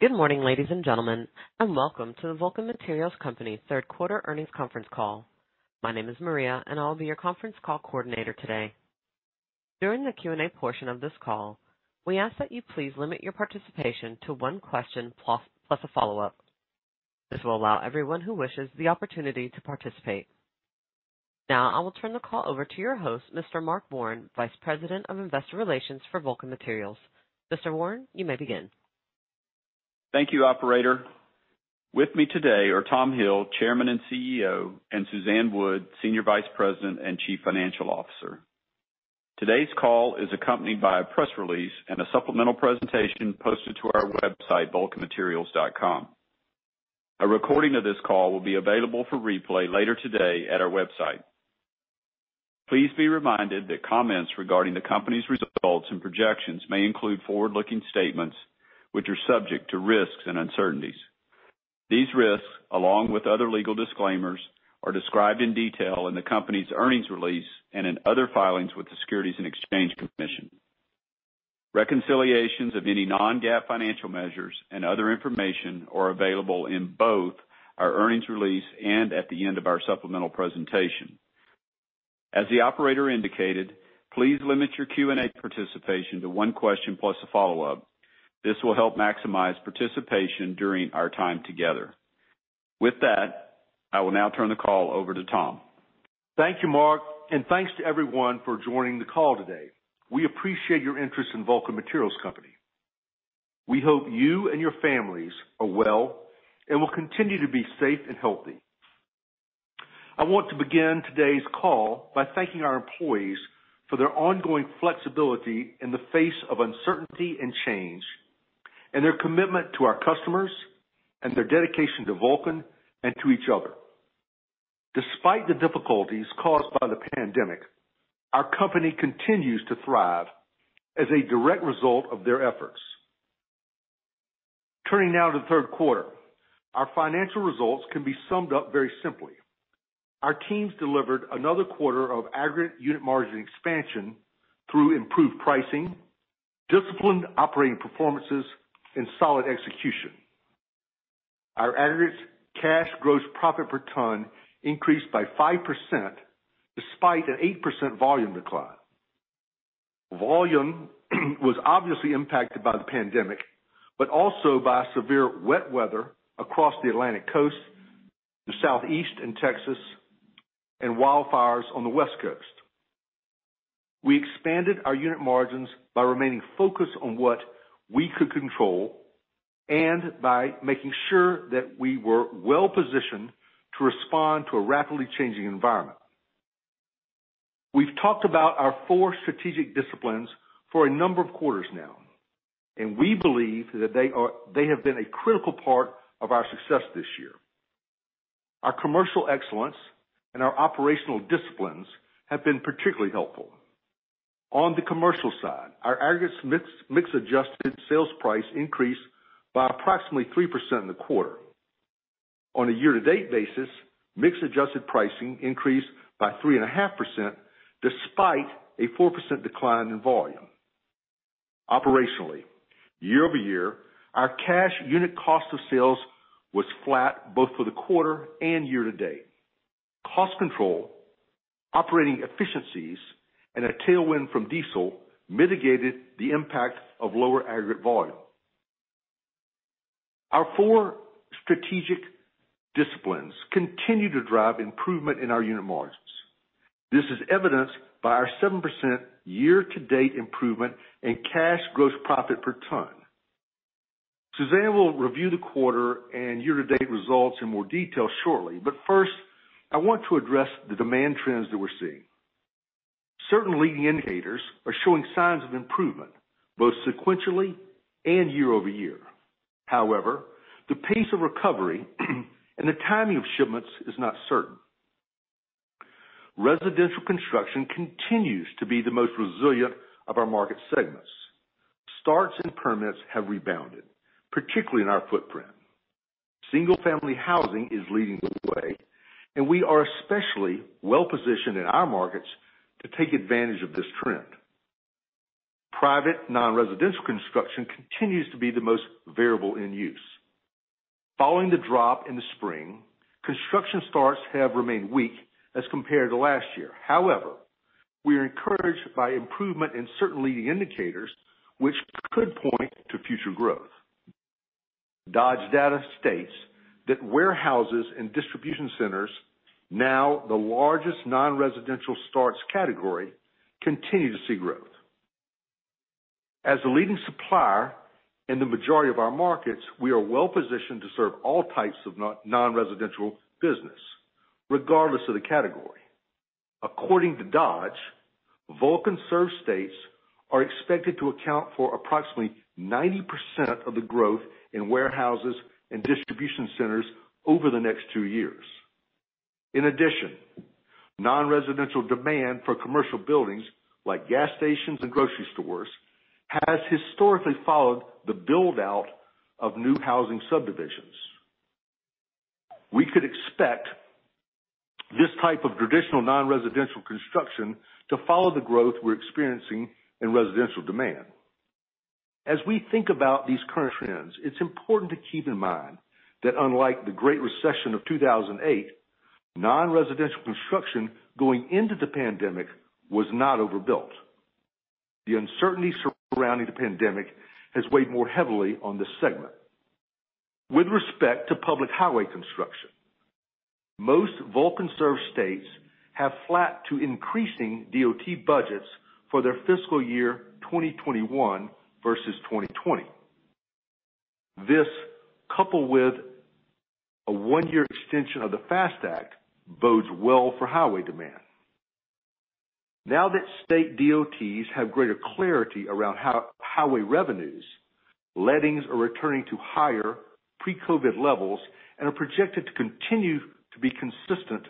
Good morning, ladies and gentlemen, and welcome to the Vulcan Materials Company third quarter earnings conference call. My name is Maria, and I'll be your conference call coordinator today. During the Q&A portion of this call, we ask that you please limit your participation to one question plus a follow-up. This will allow everyone who wishes the opportunity to participate. Now, I will turn the call over to your host, Mr. Mark Warren, Vice President of Investor Relations for Vulcan Materials. Mr. Warren, you may begin. Thank you, operator. With me today are Tom Hill, Chairman and CEO, and Suzanne Wood, Senior Vice President and Chief Financial Officer. Today's call is accompanied by a press release and a supplemental presentation posted to our website, vulcanmaterials.com. A recording of this call will be available for replay later today at our website. Please be reminded that comments regarding the company's results and projections may include forward-looking statements, which are subject to risks and uncertainties. These risks, along with other legal disclaimers, are described in detail in the company's earnings release and in other filings with the Securities and Exchange Commission. Reconciliations of any non-GAAP financial measures and other information are available in both our earnings release and at the end of our supplemental presentation. As the operator indicated, please limit your Q&A participation to one question plus a follow-up. This will help maximize participation during our time together. With that, I will now turn the call over to Tom. Thank you, Mark, and thanks to everyone for joining the call today. We appreciate your interest in Vulcan Materials Company. We hope you and your families are well and will continue to be safe and healthy. I want to begin today's call by thanking our employees for their ongoing flexibility in the face of uncertainty and change, and their commitment to our customers and their dedication to Vulcan and to each other. Despite the difficulties caused by the pandemic, our company continues to thrive as a direct result of their efforts. Turning now to the third quarter. Our financial results can be summed up very simply. Our teams delivered another quarter of aggregate unit margin expansion through improved pricing, disciplined operating performances, and solid execution. Our aggregates cash gross profit per ton increased by 5% despite an 8% volume decline. Volume was obviously impacted by the pandemic, but also by severe wet weather across the Atlantic Coast, the Southeast and Texas, and wildfires on the West Coast. We expanded our unit margins by remaining focused on what we could control and by making sure that we were well-positioned to respond to a rapidly changing environment. We've talked about our four strategic disciplines for a number of quarters now, we believe that they have been a critical part of our success this year. Our commercial excellence and our operational disciplines have been particularly helpful. On the commercial side, our aggregates mix adjusted sales price increased by approximately 3% in the quarter. On a year-to-date basis, mix adjusted pricing increased by 3.5% despite a 4% decline in volume. Operationally, year-over-year, our cash unit cost of sales was flat both for the quarter and year-to-date. Cost control, operating efficiencies, and a tailwind from diesel mitigated the impact of lower aggregate volume. Our four strategic disciplines continue to drive improvement in our unit margins. This is evidenced by our 7% year-to-date improvement in cash gross profit per ton. Suzanne will review the quarter and year-to-date results in more detail shortly, but first, I want to address the demand trends that we're seeing. Certain leading indicators are showing signs of improvement, both sequentially and year-over-year. However, the pace of recovery and the timing of shipments is not certain. Residential construction continues to be the most resilient of our market segments. Starts and permits have rebounded, particularly in our footprint. Single-family housing is leading the way, and we are especially well-positioned in our markets to take advantage of this trend. Private non-residential construction continues to be the most variable in use. Following the drop in the spring, construction starts have remained weak as compared to last year. We are encouraged by improvement in certain leading indicators, which could point to future growth. Dodge Data states that warehouses and distribution centers, now the largest non-residential starts category, continue to see growth. As a leading supplier in the majority of our markets, we are well-positioned to serve all types of non-residential business, regardless of the category. According to Dodge, Vulcan-served states are expected to account for approximately 90% of the growth in warehouses and distribution centers over the next two years. Non-residential demand for commercial buildings, like gas stations and grocery stores, has historically followed the build-out of new housing subdivisions. We could expect this type of traditional non-residential construction to follow the growth we're experiencing in residential demand. As we think about these current trends, it's important to keep in mind that unlike the Great Recession of 2008, non-residential construction going into the pandemic was not overbuilt. The uncertainty surrounding the pandemic has weighed more heavily on this segment. With respect to public highway construction, most Vulcan served states have flat to increasing DOT budgets for their fiscal year 2021 versus 2020. This, coupled with a one-year extension of the FAST Act, bodes well for highway demand. Now that state DOTs have greater clarity around highway revenues, lettings are returning to higher pre-COVID levels and are projected to continue to be consistent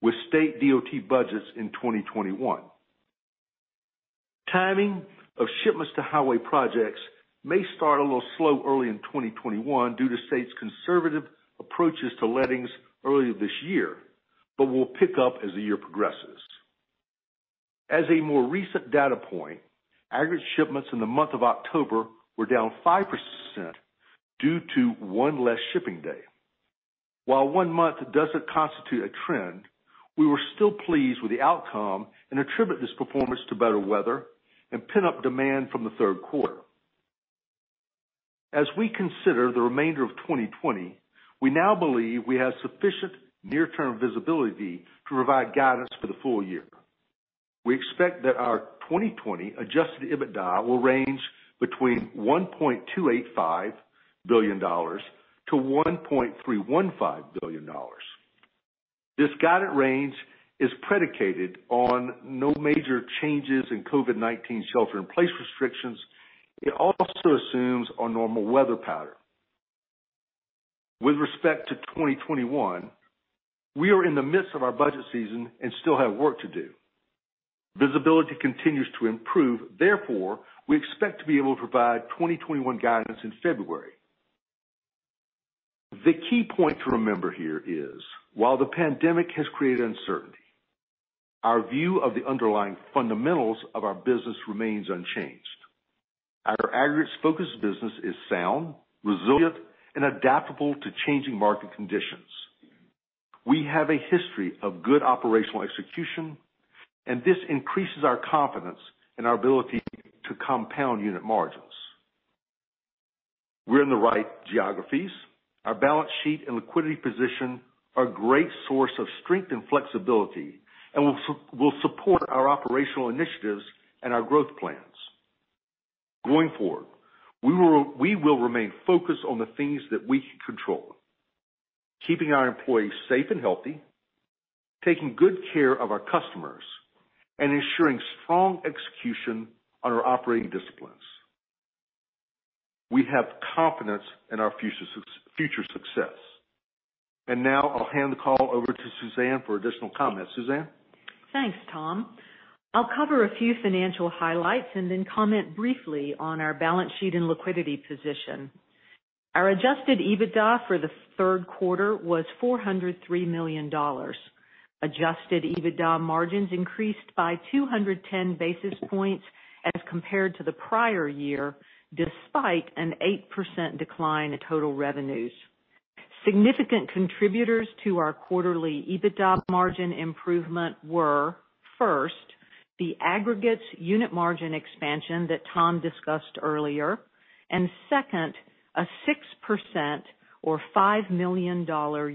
with state DOT budgets in 2021. Timing of shipments to highway projects may start a little slow early in 2021 due to states' conservative approaches to lettings earlier this year, but will pick up as the year progresses. As a more recent data point, aggregate shipments in the month of October were down 5% due to one less shipping day. While one month doesn't constitute a trend, we were still pleased with the outcome and attribute this performance to better weather and pent-up demand from the third quarter. As we consider the remainder of 2020, we now believe we have sufficient near-term visibility to provide guidance for the full year. We expect that our 2020 adjusted EBITDA will range between $1.285 billion-$1.315 billion. This guided range is predicated on no major changes in COVID-19 shelter-in-place restrictions. It also assumes a normal weather pattern. With respect to 2021, we are in the midst of our budget season and still have work to do. Visibility continues to improve, therefore, we expect to be able to provide 2021 guidance in February. The key point to remember here is while the pandemic has created uncertainty, our view of the underlying fundamentals of our business remains unchanged. Our aggregates-focused business is sound, resilient, and adaptable to changing market conditions. We have a history of good operational execution. This increases our confidence in our ability to compound unit margins. We're in the right geographies. Our balance sheet and liquidity position are a great source of strength and flexibility and will support our operational initiatives and our growth plans. Going forward, we will remain focused on the things that we can control, keeping our employees safe and healthy, taking good care of our customers, and ensuring strong execution on our operating disciplines. We have confidence in our future success. Now I'll hand the call over to Suzanne for additional comments. Suzanne? Thanks, Tom. I'll cover a few financial highlights and then comment briefly on our balance sheet and liquidity position. Our adjusted EBITDA for the third quarter was $403 million. Adjusted EBITDA margins increased by 210 basis points as compared to the prior year, despite an 8% decline in total revenues. Significant contributors to our quarterly EBITDA margin improvement were, first, the aggregates unit margin expansion that Tom discussed earlier, and second, a 6% or $5 million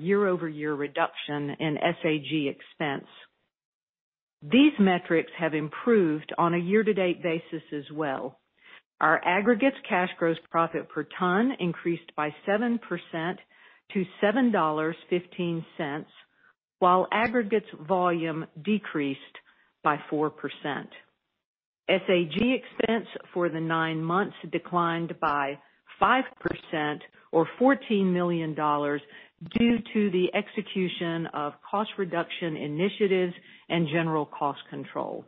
year-over-year reduction in SAG expense. These metrics have improved on a year-to-date basis as well. Our aggregates cash gross profit per ton increased by 7% to $7.15, while aggregates volume decreased by 4%. SAG expense for the nine months declined by 5% or $14 million due to the execution of cost reduction initiatives and general cost control.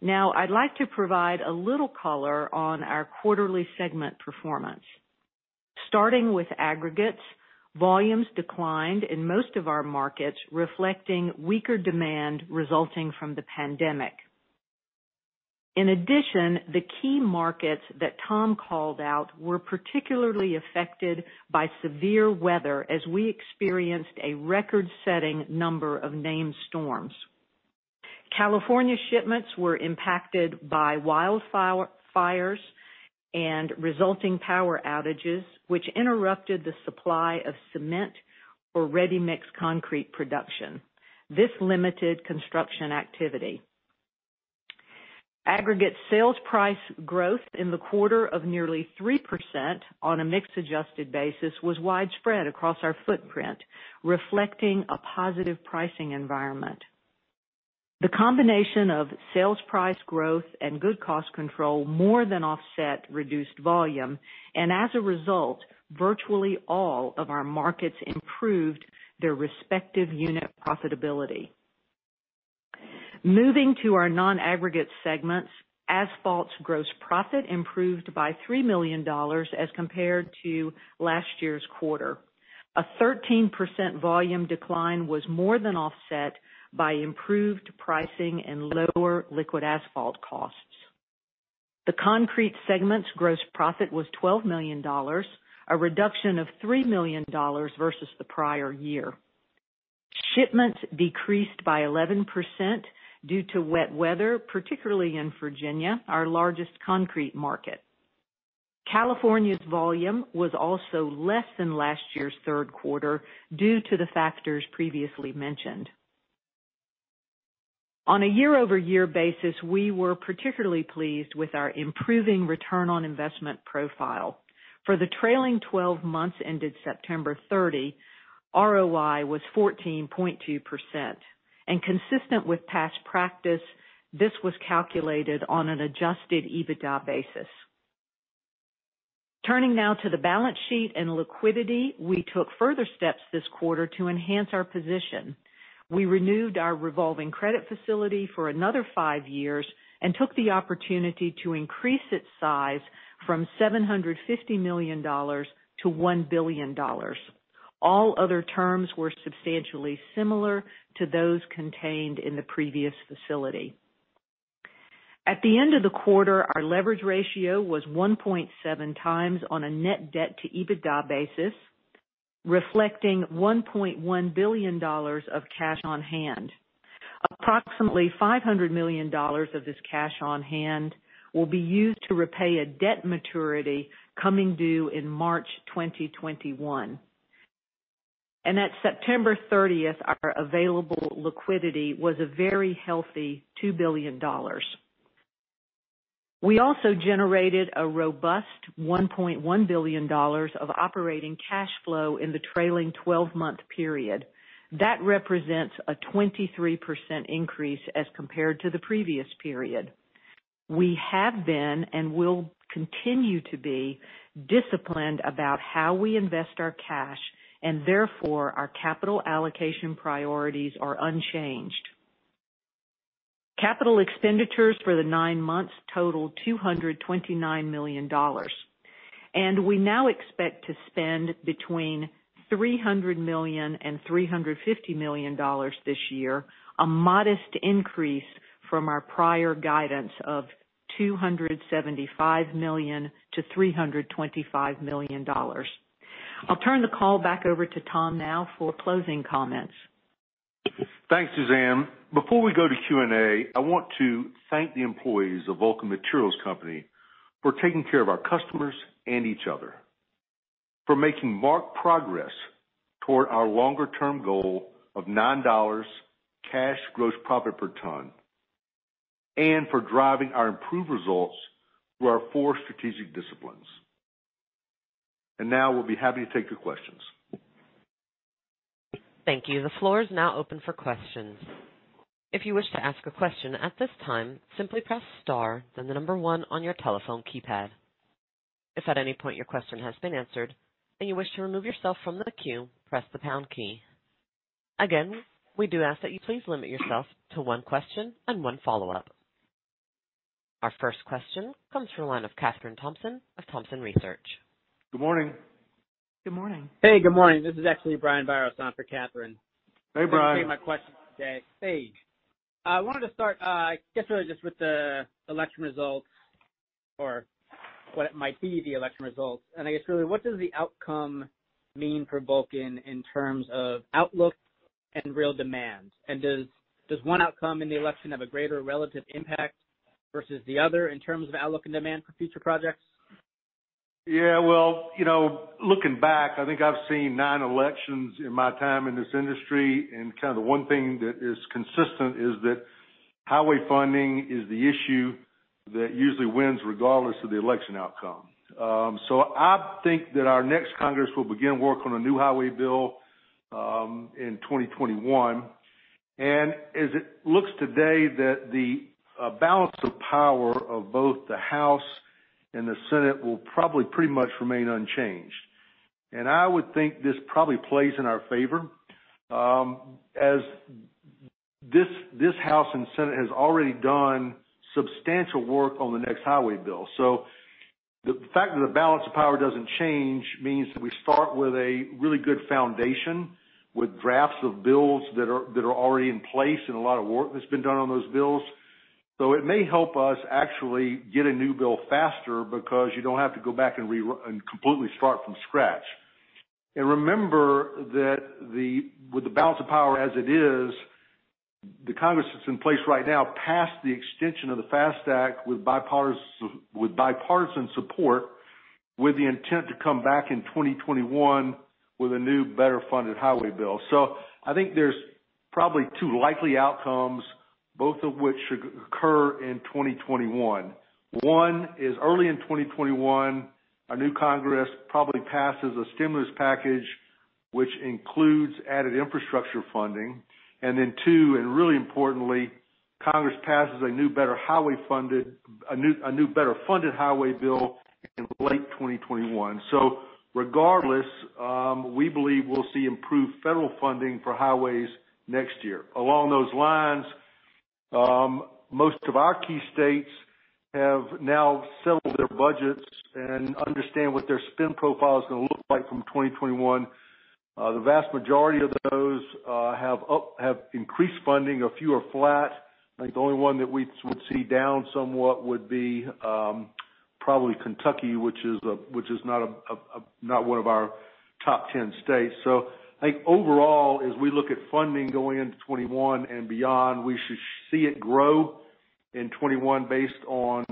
I'd like to provide a little color on our quarterly segment performance. Starting with aggregates, volumes declined in most of our markets, reflecting weaker demand resulting from the pandemic. In addition, the key markets that Tom called out were particularly affected by severe weather as we experienced a record-setting number of named storms. California shipments were impacted by wildfires and resulting power outages, which interrupted the supply of cement or ready-mix concrete production. This limited construction activity. Aggregates sales price growth in the quarter of nearly 3% on a mix-adjusted basis was widespread across our footprint, reflecting a positive pricing environment. The combination of sales price growth and good cost control more than offset reduced volume, and as a result, virtually all of our markets improved their respective unit profitability. Moving to our non-aggregate segments, asphalt's gross profit improved by $3 million as compared to last year's quarter. A 13% volume decline was more than offset by improved pricing and lower liquid asphalt costs. The concrete segment's gross profit was $12 million, a reduction of $3 million versus the prior year. Shipments decreased by 11% due to wet weather, particularly in Virginia, our largest concrete market. California's volume was also less than last year's third quarter due to the factors previously mentioned. On a year-over-year basis, we were particularly pleased with our improving return on investment profile. For the trailing 12 months ended September 30, ROI was 14.2%. Consistent with past practice, this was calculated on an adjusted EBITDA basis. Turning now to the balance sheet and liquidity. We took further steps this quarter to enhance our position. We renewed our revolving credit facility for another five years and took the opportunity to increase its size from $750 million to $1 billion. All other terms were substantially similar to those contained in the previous facility. At the end of the quarter, our leverage ratio was 1.7x on a net debt to EBITDA basis, reflecting $1.1 billion of cash on hand. Approximately $500 million of this cash on hand will be used to repay a debt maturity coming due in March 2021. At September 30th, our available liquidity was a very healthy $2 billion. We also generated a robust $1.1 billion of operating cash flow in the trailing 12-month period. That represents a 23% increase as compared to the previous period. We have been, and will continue to be disciplined about how we invest our cash, and therefore, our capital allocation priorities are unchanged. Capital expenditures for the nine months totaled $229 million. We now expect to spend between $300 million and $350 million this year, a modest increase from our prior guidance of $275 million to $325 million. I'll turn the call back over to Tom now for closing comments. Thanks, Suzanne. Before we go to Q&A, I want to thank the employees of Vulcan Materials Company for taking care of our customers and each other, for making marked progress toward our longer-term goal of $9 cash gross profit per ton, and for driving our improved results through our four strategic disciplines. Now we'll be happy to take your questions. Thank you. The floor is now open for questions. If you wish to ask a question at this time, simply press star then the number 1 on your telephone keypad. If at any point your question has been answered and you wish to remove yourself from the queue, press the pound key. Again, we do ask that you please limit yourself to one question and one follow-up. Our first question comes from the line of Kathryn Thompson of Thompson Research. Good morning. Good morning. Hey, good morning. This is actually Brian Biros on for Kathryn. Hey, Brian. I'll take my question today. Hey. I wanted to start, I guess really just with the election results or what it might be the election results. I guess really, what does the outcome mean for Vulcan in terms of outlook and real demand? Does one outcome in the election have a greater relative impact versus the other in terms of outlook and demand for future projects? Yeah. Well, looking back, I think I've seen nine elections in my time in this industry, and kind of the one thing that is consistent is that highway funding is the issue that usually wins regardless of the election outcome. I think that our next Congress will begin work on a new highway bill in 2021. As it looks today that the balance of power of both the House and the Senate will probably pretty much remain unchanged. I would think this probably plays in our favor, as this House and Senate has already done substantial work on the next highway bill. The fact that the balance of power doesn't change means that we start with a really good foundation with drafts of bills that are already in place and a lot of work that's been done on those bills. It may help us actually get a new bill faster because you don't have to go back and completely start from scratch. Remember that with the balance of power as it is, the Congress that's in place right now passed the extension of the FAST Act with bipartisan support, with the intent to come back in 2021 with a new, better-funded highway bill. I think there's probably two likely outcomes, both of which should occur in 2021. One is early in 2021, a new Congress probably passes a stimulus package, which includes added infrastructure funding. Then two, and really importantly, Congress passes a new better funded highway bill in late 2021. Regardless, we believe we'll see improved federal funding for highways next year. Along those lines, most of our key states have now settled their budgets and understand what their spend profile is going to look like from 2021. The vast majority of those have increased funding. A few are flat. I think the only one that we would see down somewhat would be probably Kentucky, which is not one of our top 10 states. I think overall, as we look at funding going into 2021 and beyond, we should see it grow in 2021 based on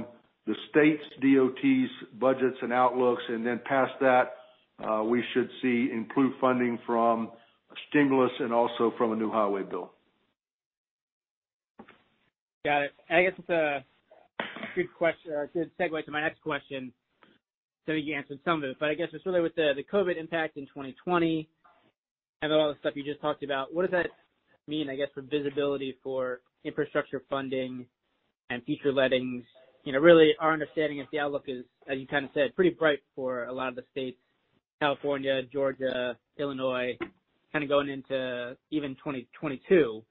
the state's DOT's budgets and outlooks, and then past that, we should see improved funding from a stimulus and also from a new highway bill. Got it. I guess it's a good segue to my next question. You answered some of it, but I guess just really with the COVID impact in 2020 and with all the stuff you just talked about, what does that mean, I guess, for visibility for infrastructure funding and future lettings? Really our understanding is the outlook is, as you said, pretty bright for a lot of the states, California, Georgia, Illinois, going into even 2022.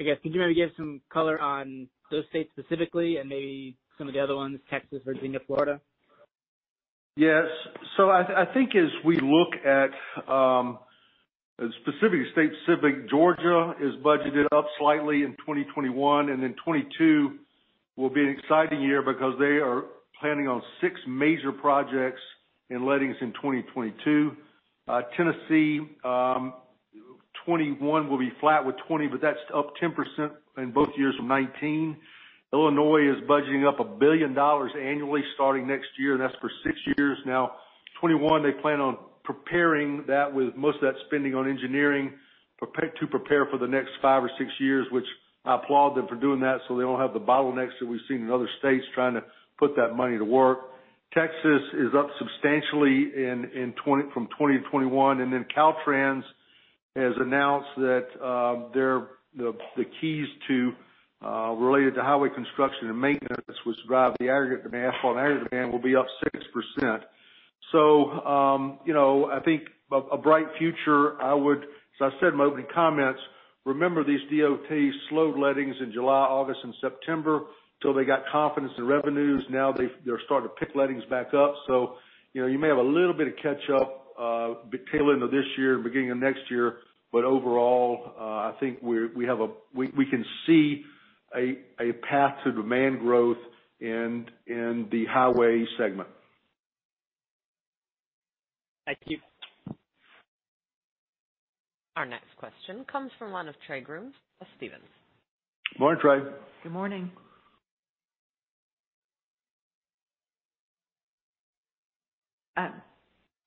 I guess, could you maybe give some color on those states specifically and maybe some of the other ones, Texas, Virginia, Florida? Yes. I think as we look at specific states, Georgia is budgeted up slightly in 2021, and then 2022 will be an exciting year because they are planning on six major projects in lettings in 2022. Tennessee, 2021 will be flat with 2020, but that's up 10% in both years from 2019. Illinois is budgeting up $1 billion annually, starting next year, and that's for six years. Now, 2021, they plan on preparing that with most of that spending on engineering to prepare for the next five or six years, which I applaud them for doing that, so they don't have the bottlenecks that we've seen in other states trying to put that money to work. Texas is up substantially from 2021. Caltrans has announced that they are the keys related to highway construction and maintenance, which drive the aggregate demand, will be up 6%. I think a bright future. As I said in my opening comments, remember these DOTs slowed lettings in July, August, and September till they got confidence in revenues. Now they're starting to pick lettings back up. You may have a little bit of catch up tail end of this year and beginning of next year. Overall, I think we can see a path to demand growth in the highway segment. Thank you. Our next question comes from the line of Trey Grooms of Stephens. Morning, Trey. Good morning.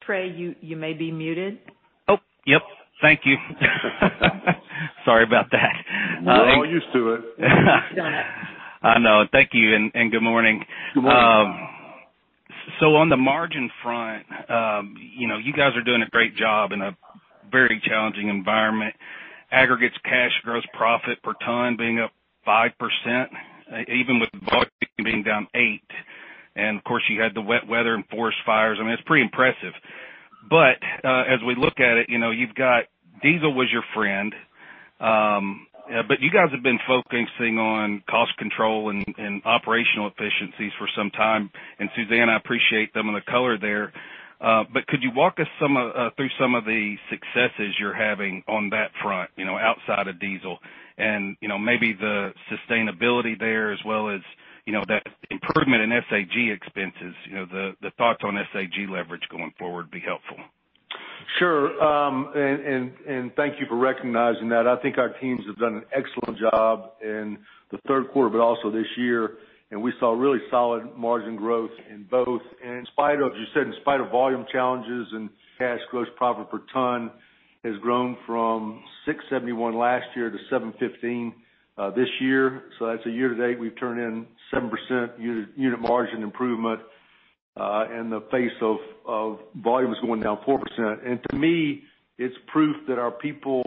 Trey, you may be muted. Oh, yep. Thank you. Sorry about that. We're all used to it. I know. Thank you, and good morning. Good morning. On the margin front, you guys are doing a great job in a very challenging environment. Aggregates Cash Gross Profit per ton being up 5%, even with volume being down eight, and of course, you had the wet weather and forest fires. I mean, it's pretty impressive. As we look at it, diesel was your friend. You guys have been focusing on cost control and operational efficiencies for some time. Suzanne, I appreciate some of the color there. Could you walk us through some of the successes you're having on that front, outside of diesel and maybe the sustainability there as well as that improvement in SAG expenses, the thoughts on SAG leverage going forward would be helpful. Sure. Thank you for recognizing that. I think our teams have done an excellent job in the third quarter, but also this year, we saw really solid margin growth in both. As you said, in spite of volume challenges, cash gross profit per ton has grown from $6.71 last year to $7.15 this year. That's a year to date, we've turned in 7% unit margin improvement, in the face of volumes going down 4%. To me, it's proof that our people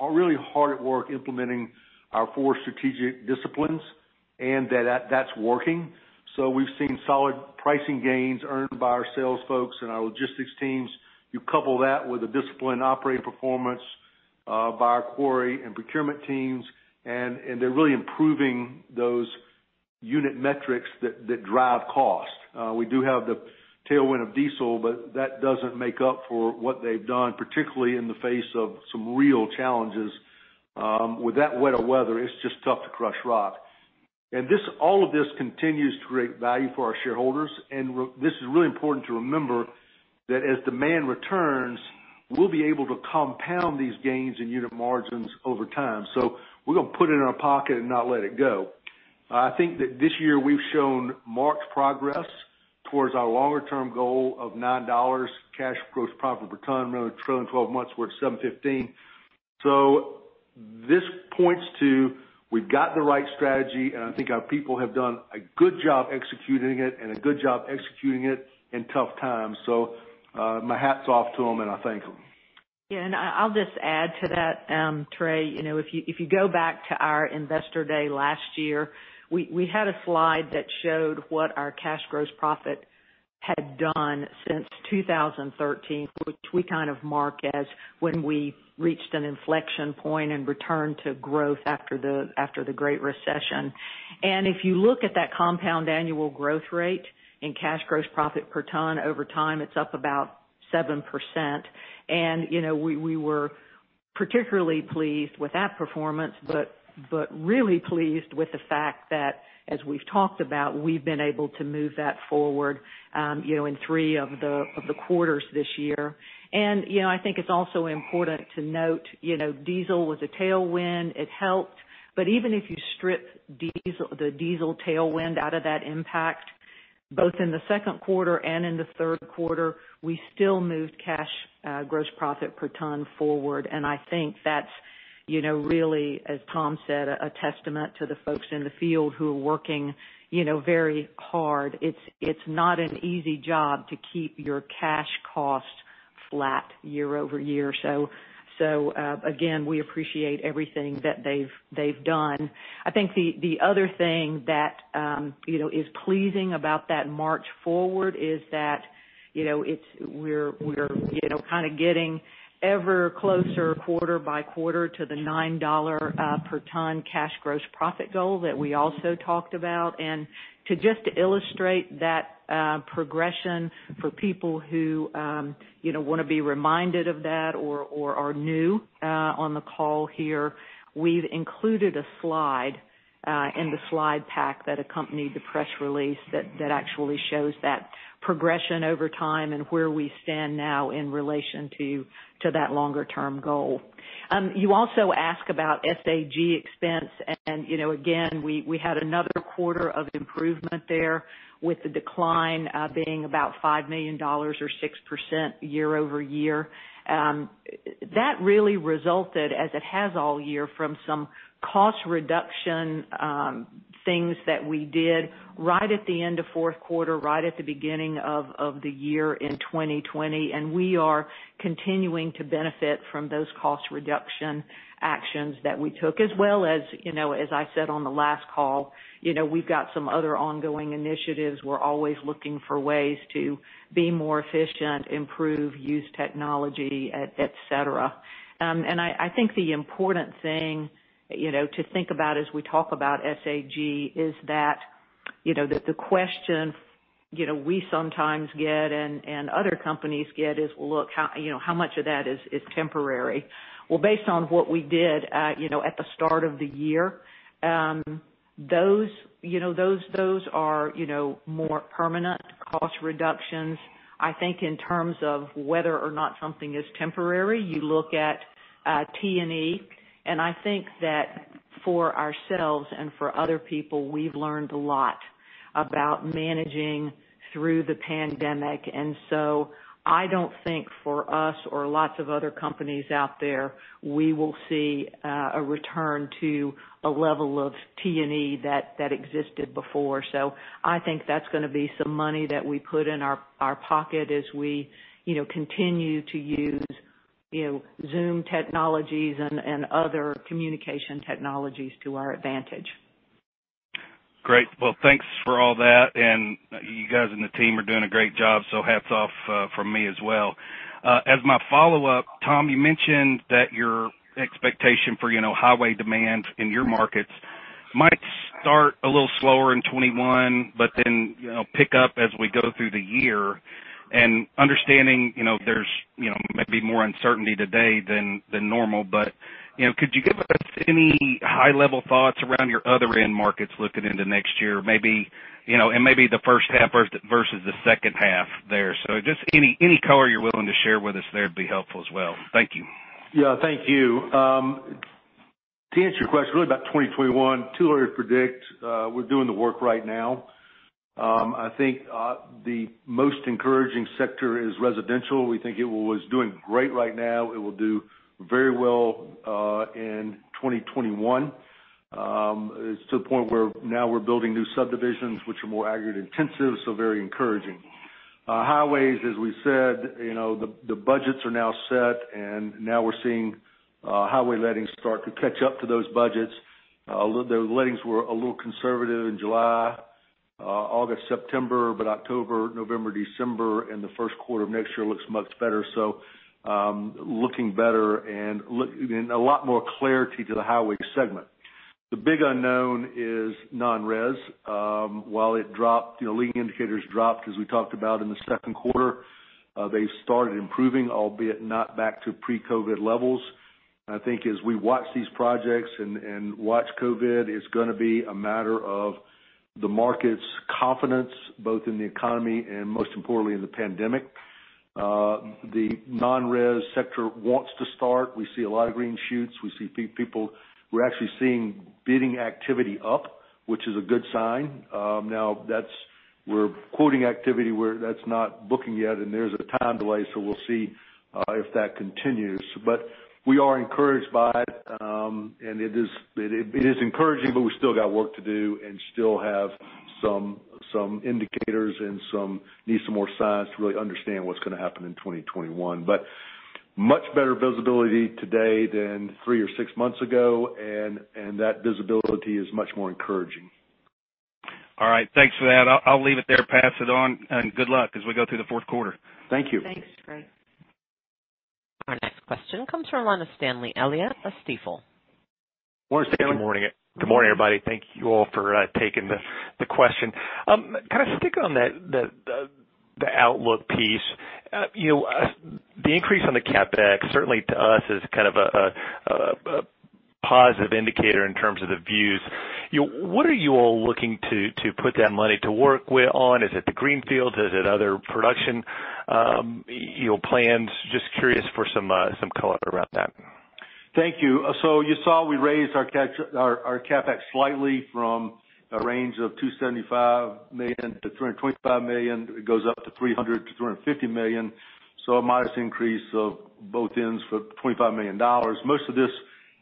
are really hard at work implementing our four strategic disciplines, that's working. We've seen solid pricing gains earned by our sales folks and our logistics teams. You couple that with a disciplined operating performance by our quarry and procurement teams, they're really improving those unit metrics that drive cost. We do have the tailwind of diesel, but that doesn't make up for what they've done, particularly in the face of some real challenges. With that wetter weather, it's just tough to crush rock. All of this continues to create value for our shareholders. This is really important to remember that as demand returns, we'll be able to compound these gains in unit margins over time. We're going to put it in our pocket and not let it go. I think that this year we've shown marked progress towards our longer-term goal of $9 cash gross profit per ton, trailing 12 months, we're at $7.15. This points to we've got the right strategy, and I think our people have done a good job executing it and a good job executing it in tough times. My hat's off to them, and I thank them. Yeah, I'll just add to that, Trey. If you go back to our investor day last year, we had a slide that showed what our cash gross profit had done since 2013, which we kind of mark as when we reached an inflection point and returned to growth after the Great Recession. If you look at that compound annual growth rate in cash gross profit per ton over time, it's up about 7%. We were particularly pleased with that performance, but really pleased with the fact that, as we've talked about, we've been able to move that forward in three of the quarters this year. I think it's also important to note, diesel was a tailwind. It helped. Even if you strip the diesel tailwind out of that impact, both in the second quarter and in the third quarter, we still moved cash gross profit per ton forward. I think that's really, as Tom said, a testament to the folks in the field who are working very hard. It's not an easy job to keep your cash costs flat year-over-year. Again, we appreciate everything that they've done. I think the other thing that is pleasing about that march forward is that we're kind of getting ever closer, quarter-by-quarter, to the $9 per ton cash gross profit goal that we also talked about. To just illustrate that progression for people who want to be reminded of that or are new on the call here, we've included a slide in the slide pack that accompanied the press release that actually shows that progression over time and where we stand now in relation to that longer-term goal. You also ask about SAG expense. Again, we had another quarter of improvement there, with the decline being about $5 million or 6% year-over-year. That really resulted, as it has all year, from some cost reduction things that we did right at the end of fourth quarter, right at the beginning of the year in 2020. We are continuing to benefit from those cost reduction actions that we took as well as I said on the last call, we've got some other ongoing initiatives. We're always looking for ways to be more efficient, improve, use technology, et cetera. I think the important thing to think about as we talk about SAG is that the question we sometimes get, and other companies get is, well, look, how much of that is temporary? Well, based on what we did at the start of the year, those are more permanent cost reductions. I think in terms of whether or not something is temporary, you look at T&E. I think that for ourselves and for other people, we've learned a lot about managing through the pandemic. I don't think for us or lots of other companies out there, we will see a return to a level of T&E that existed before. I think that's going to be some money that we put in our pocket as we continue to use Zoom technologies and other communication technologies to our advantage. Great. Well, thanks for all that. You guys in the team are doing a great job, so hats off from me as well. As my follow-up, Tom, you mentioned that your expectation for highway demand in your markets might start a little slower in 2021, then pick up as we go through the year. Understanding there's maybe more uncertainty today than normal, but could you give us any high-level thoughts around your other end markets looking into next year? Maybe the first half versus the second half there. Just any color you're willing to share with us there would be helpful as well. Thank you. Yeah, thank you. To answer your question, really about 2021, too early to predict. We're doing the work right now. I think the most encouraging sector is residential. We think it was doing great right now. It will do very well in 2021. It's to the point where now we're building new subdivisions, which are more aggregate intensive, so very encouraging. Highways, as we said, the budgets are now set, and now we're seeing highway lettings start to catch up to those budgets. Those lettings were a little conservative in July, August, September, but October, November, December, and the first quarter of next year looks much better. Looking better and a lot more clarity to the highway segment. The big unknown is non-res. While leading indicators dropped, as we talked about in the second quarter, they started improving, albeit not back to pre-COVID levels. I think as we watch these projects and watch COVID, it's going to be a matter of the market's confidence, both in the economy and most importantly, in the pandemic. The non-res sector wants to start. We see a lot of green shoots. We're actually seeing bidding activity up, which is a good sign. Now we're quoting activity where that's not booking yet, and there's a time delay, so we'll see if that continues. We are encouraged by it, and it is encouraging, but we still got work to do and still have some indicators and need some more signs to really understand what's going to happen in 2021. Much better visibility today than three or six months ago, and that visibility is much more encouraging. All right. Thanks for that. I'll leave it there, pass it on, and good luck as we go through the fourth quarter. Thank you. Thanks, Trey. Our next question comes from the line of Stanley Elliott of Stifel. Morning, Stanley. Good morning. Good morning, everybody. Thank you all for taking the question. Kind of sticking on the outlook piece. The increase on the CapEx, certainly to us is kind of a positive indicator in terms of the views. What are you all looking to put that money to work with on? Is it the greenfields? Is it other production plans? Just curious for some color around that. Thank you. You saw we raised our CapEx slightly from a range of $275 million-$325 million. It goes up to $300 million-$350 million, so a modest increase of both ends for $25 million. Most of this,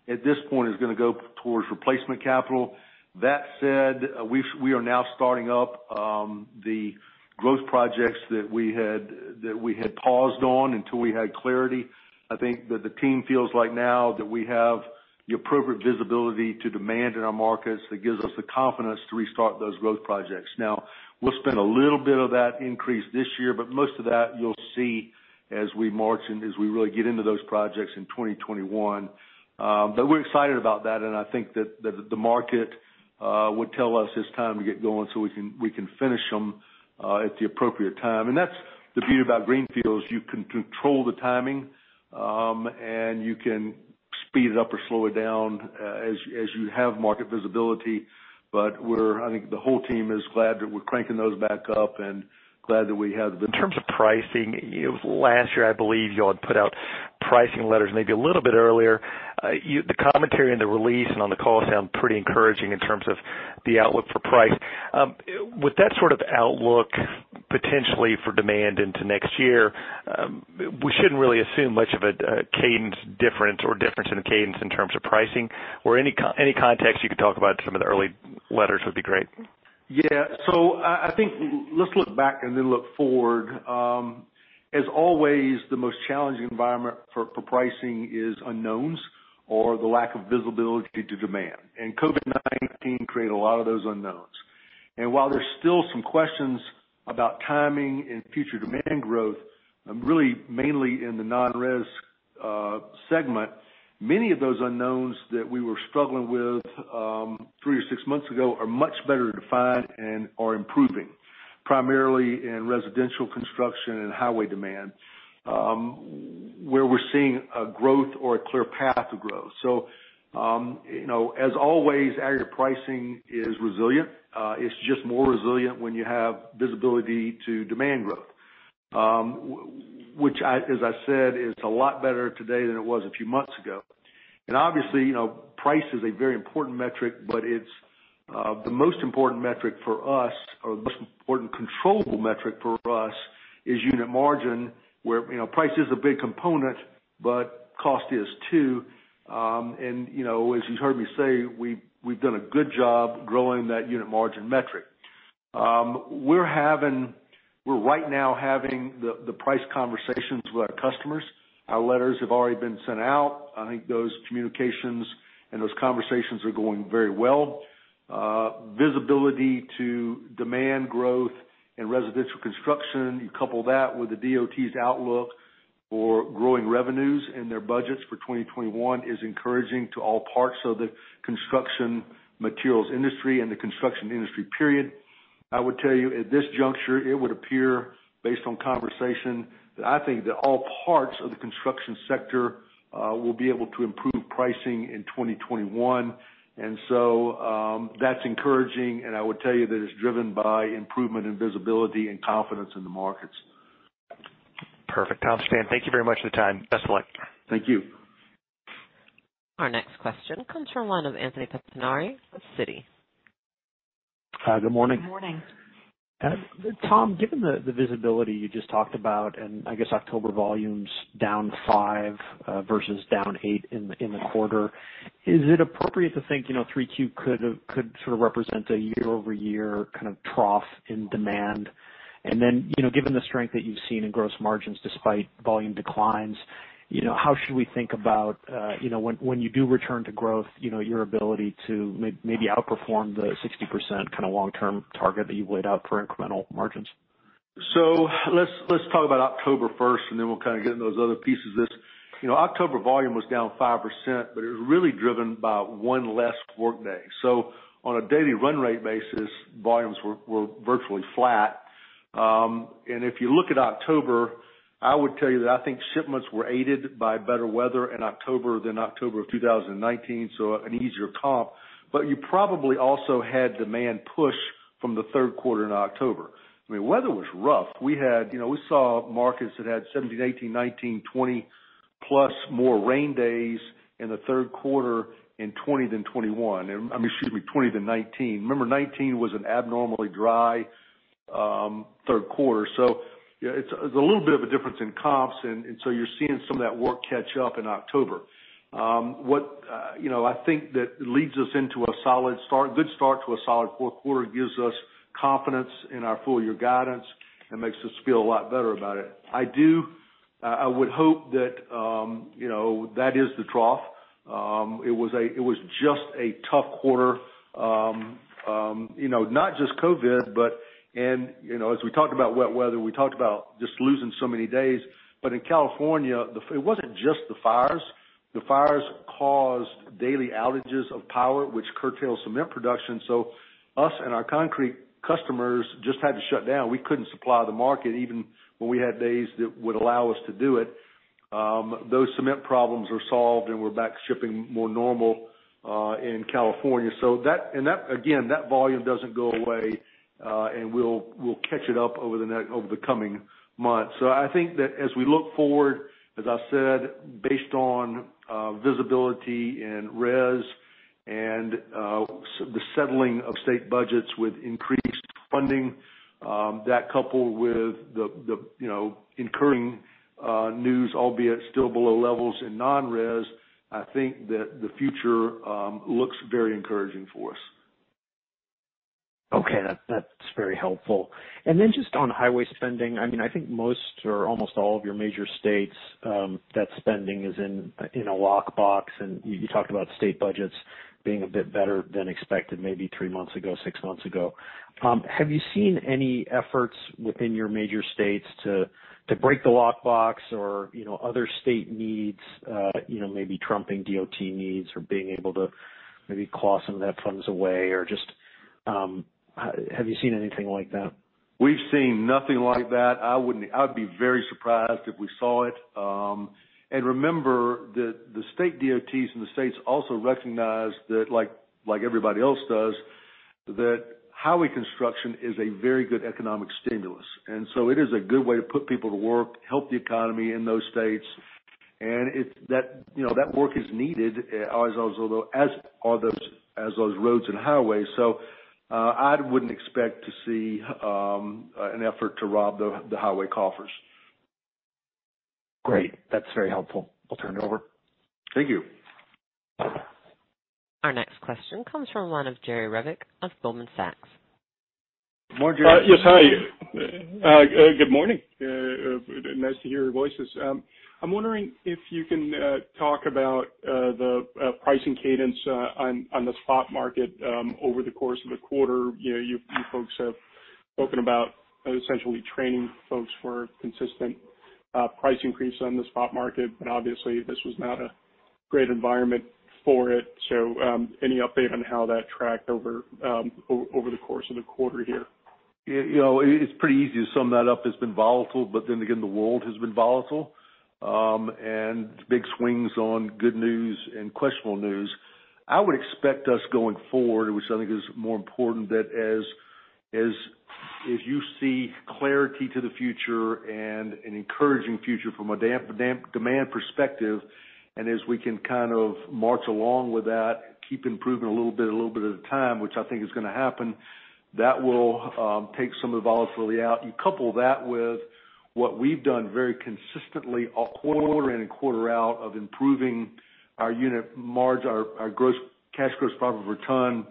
at this point, is going to go towards replacement capital. That said, we are now starting up the growth projects that we had paused on until we had clarity. I think that the team feels like now that we have the appropriate visibility to demand in our markets, that gives us the confidence to restart those growth projects. We'll spend a little bit of that increase this year, but most of that you'll see as we march and as we really get into those projects in 2021. We're excited about that, and I think that the market would tell us it's time to get going so we can finish them at the appropriate time. That's the beauty about greenfields. You can control the timing, and you can speed it up or slow it down as you have market visibility. I think the whole team is glad that we're cranking those back up. In terms of pricing, last year, I believe y'all had put out pricing letters maybe a little bit earlier. The commentary and the release and on the call sound pretty encouraging in terms of the outlook for price. With that sort of outlook potentially for demand into next year, we shouldn't really assume much of a cadence difference or difference in cadence in terms of pricing, or any context you could talk about some of the early letters would be great. Yeah. I think let's look back and then look forward. As always, the most challenging environment for pricing is unknowns or the lack of visibility to demand. COVID-19 created a lot of those unknowns. While there's still some questions about timing and future demand growth, really mainly in the non-res segment, many of those unknowns that we were struggling with three or six months ago are much better defined and are improving, primarily in residential construction and highway demand, where we're seeing a growth or a clear path to growth. As always, aggregate pricing is resilient. It's just more resilient when you have visibility to demand growth, which, as I said, is a lot better today than it was a few months ago. Obviously, price is a very important metric, but the most important metric for us, or the most important controllable metric for us is unit margin, where price is a big component, but cost is too. As you've heard me say, we've done a good job growing that unit margin metric. We're right now having the price conversations with our customers. Our letters have already been sent out. I think those communications and those conversations are going very well. Visibility to demand growth in residential construction, you couple that with the DOT's outlook for growing revenues and their budgets for 2021 is encouraging to all parts of the construction materials industry and the construction industry, period. I would tell you, at this juncture, it would appear, based on conversation, that I think that all parts of the construction sector will be able to improve pricing in 2021. That's encouraging, and I would tell you that it's driven by improvement in visibility and confidence in the markets. Perfect. Tom, Stan, thank you very much for the time. Best of luck. Thank you. Our next question comes from the line of Anthony Pettinari with Citi. Hi. Good morning. Good morning. Tom, given the visibility you just talked about, I guess October volumes down five versus down eight in the quarter, is it appropriate to think 3Q could sort of represent a year-over-year kind of trough in demand? Given the strength that you've seen in gross margins despite volume declines, how should we think about when you do return to growth, your ability to maybe outperform the 60% kind of long-term target that you've laid out for incremental margins? Let's talk about October first, and then we'll kind of get into those other pieces. October volume was down 5%, but it was really driven by one less workday. On a daily run rate basis, volumes were virtually flat. If you look at October, I would tell you that I think shipments were aided by better weather in October than October of 2019, so an easier comp. You probably also had demand push from the third quarter in October. I mean, weather was rough. We saw markets that had 17, 18, 19, 20-plus more rain days in the third quarter in 2020 than 2021. Excuse me, 2020 than 2019. Remember, 2019 was an abnormally dry third quarter. It's a little bit of a difference in comps, and so you're seeing some of that work catch up in October. I think that leads us into a good start to a solid fourth quarter. It gives us confidence in our full-year guidance and makes us feel a lot better about it. I would hope that is the trough. It was just a tough quarter. Not just COVID, but as we talked about wet weather, we talked about just losing so many days. In California, it wasn't just the fires. The fires caused daily outages of power, which curtails cement production. Us and our concrete customers just had to shut down. We couldn't supply the market even when we had days that would allow us to do it. Those cement problems are solved, and we're back shipping more normal in California. That, again, that volume doesn't go away. We'll catch it up over the coming months. I think that as we look forward, as I said, based on visibility in res and the settling of state budgets with increased funding, that coupled with the encouraging news, albeit still below levels in non-res, I think that the future looks very encouraging for us. Okay. That's very helpful. Then just on highway spending, I think most or almost all of your major states, that spending is in a lockbox, and you talked about state budgets being a bit better than expected, maybe three months ago, six months ago. Have you seen any efforts within your major states to break the lockbox or other state needs maybe trumping DOT needs or being able to maybe claw some of that funds away? Just have you seen anything like that? We've seen nothing like that. I'd be very surprised if we saw it. Remember that the state DOTs and the states also recognize that, like everybody else does, that highway construction is a very good economic stimulus. It is a good way to put people to work, help the economy in those states. That work is needed, as are those roads and highways. I wouldn't expect to see an effort to rob the highway coffers. Great. That's very helpful. I'll turn it over. Thank you. Our next question comes from the line of Jerry Revich of Goldman Sachs Group, Inc. Morning, Jerry. Yes. Hi. Good morning. Nice to hear your voices. I'm wondering if you can talk about the pricing cadence on the spot market over the course of the quarter. You folks have spoken about essentially training folks for consistent price increase on the spot market, but obviously, this was not a great environment for it. Any update on how that tracked over the course of the quarter here? It's pretty easy to sum that up as been volatile. Then again, the world has been volatile. Big swings on good news and questionable news. I would expect us going forward, which I think is more important, that as you see clarity to the future and an encouraging future from a demand perspective, and as we can kind of march along with that, keep improving a little bit at a time, which I think is going to happen, that will take some of the volatility out. You couple that with what we've done very consistently quarter in and quarter out of improving our unit margin, our cash gross profit per ton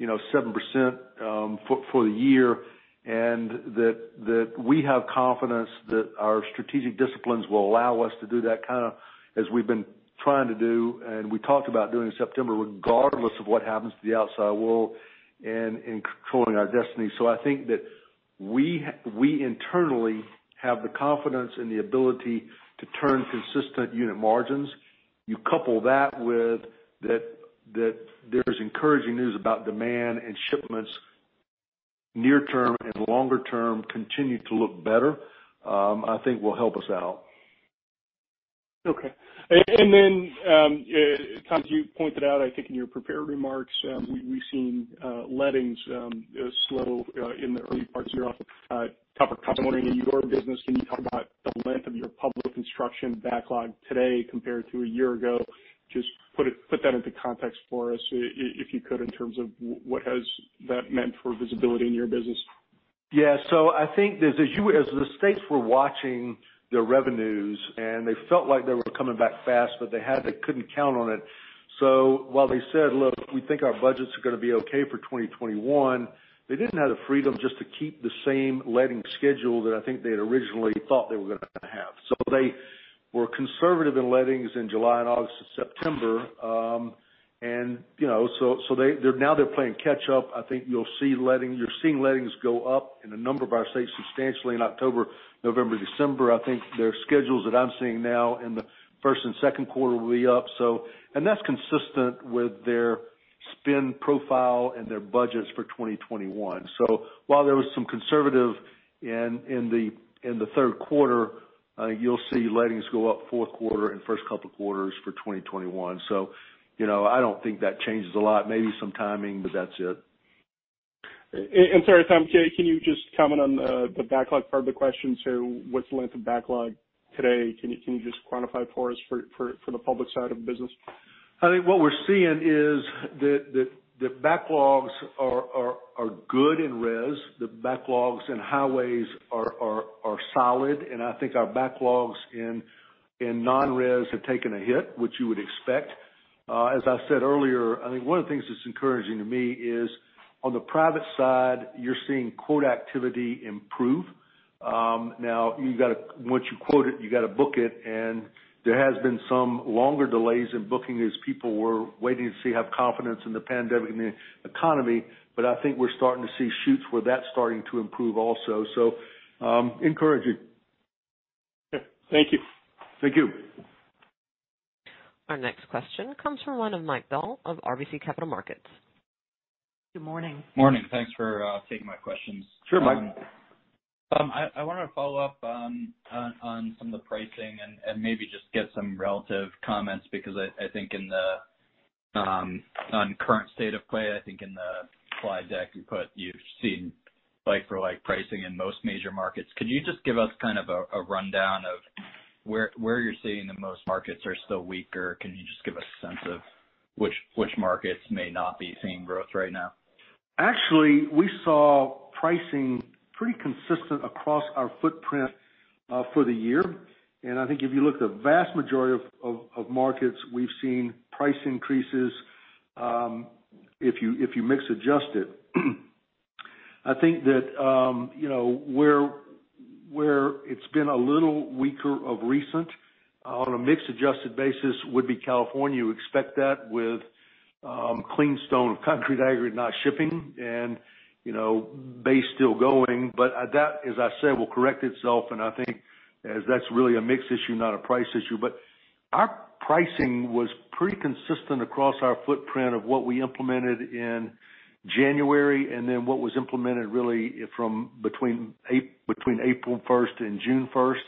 7% for the year, and that we have confidence that our strategic disciplines will allow us to do that kind of as we've been trying to do, and we talked about doing in September, regardless of what happens to the outside world and in controlling our destiny. I think that we internally have the confidence and the ability to turn consistent unit margins. You couple that with that there's encouraging news about demand and shipments near term and longer term continue to look better, I think will help us out. Okay. Then, Tom, you pointed out, I think, in your prepared remarks, we've seen lettings slow in the early parts of the year. I was wondering in your business, can you talk about the length of your public construction backlog today compared to a year ago? Just put that into context for us, if you could, in terms of what has that meant for visibility in your business. Yeah. I think as the states were watching their revenues, and they felt like they were coming back fast, but they couldn't count on it. While they said, look, we think our budgets are going to be okay for 2021, they didn't have the freedom just to keep the same letting schedule that I think they had originally thought they were going to have. They were conservative in lettings in July and August and September. Now they're playing catch up. I think you're seeing lettings go up in a number of our states substantially in October, November, December. I think their schedules that I'm seeing now in the first and second quarter will be up. That's consistent with their spend profile and their budgets for 2021. While there was some conservatism in the third quarter, you'll see lettings go up fourth quarter and first couple of quarters for 2021. I don't think that changes a lot. Maybe some timing, but that's it. Sorry, Tom, can you just comment on the backlog part of the question? What's the length of backlog today? Can you just quantify for us for the public side of the business? I think what we're seeing is that the backlogs are good in res, the backlogs in highways are solid, and I think our backlogs and non-res have taken a hit, which you would expect. As I said earlier, I think one of the things that's encouraging to me is on the private side, you're seeing quote activity improve. Now, once you quote it, you got to book it, and there has been some longer delays in booking as people were waiting to see, have confidence in the pandemic and the economy. I think we're starting to see shoots where that's starting to improve also. Encouraging. Okay, thank you. Thank you. Our next question comes from the line of Mike Dahl of RBC Capital Markets. Good morning. Morning. Thanks for taking my questions. Sure, Mike. I want to follow up on some of the pricing and maybe just get some relative comments, because I think on current state of play, in the slide deck you put, you've seen like for like pricing in most major markets. Could you just give us kind of a rundown of where you're seeing the most markets are still weaker? Can you just give a sense of which markets may not be seeing growth right now? Actually, we saw pricing pretty consistent across our footprint for the year. I think if you look at the vast majority of markets, we've seen price increases, if you mix adjust it. I think that where it's been a little weaker of recent on a mix adjusted basis would be California. You expect that with clean stone and concrete aggregate not shipping and base still going. That, as I said, will correct itself, and I think as that's really a mix issue, not a price issue. Our pricing was pretty consistent across our footprint of what we implemented in January and then what was implemented really from between April 1st and June 1st.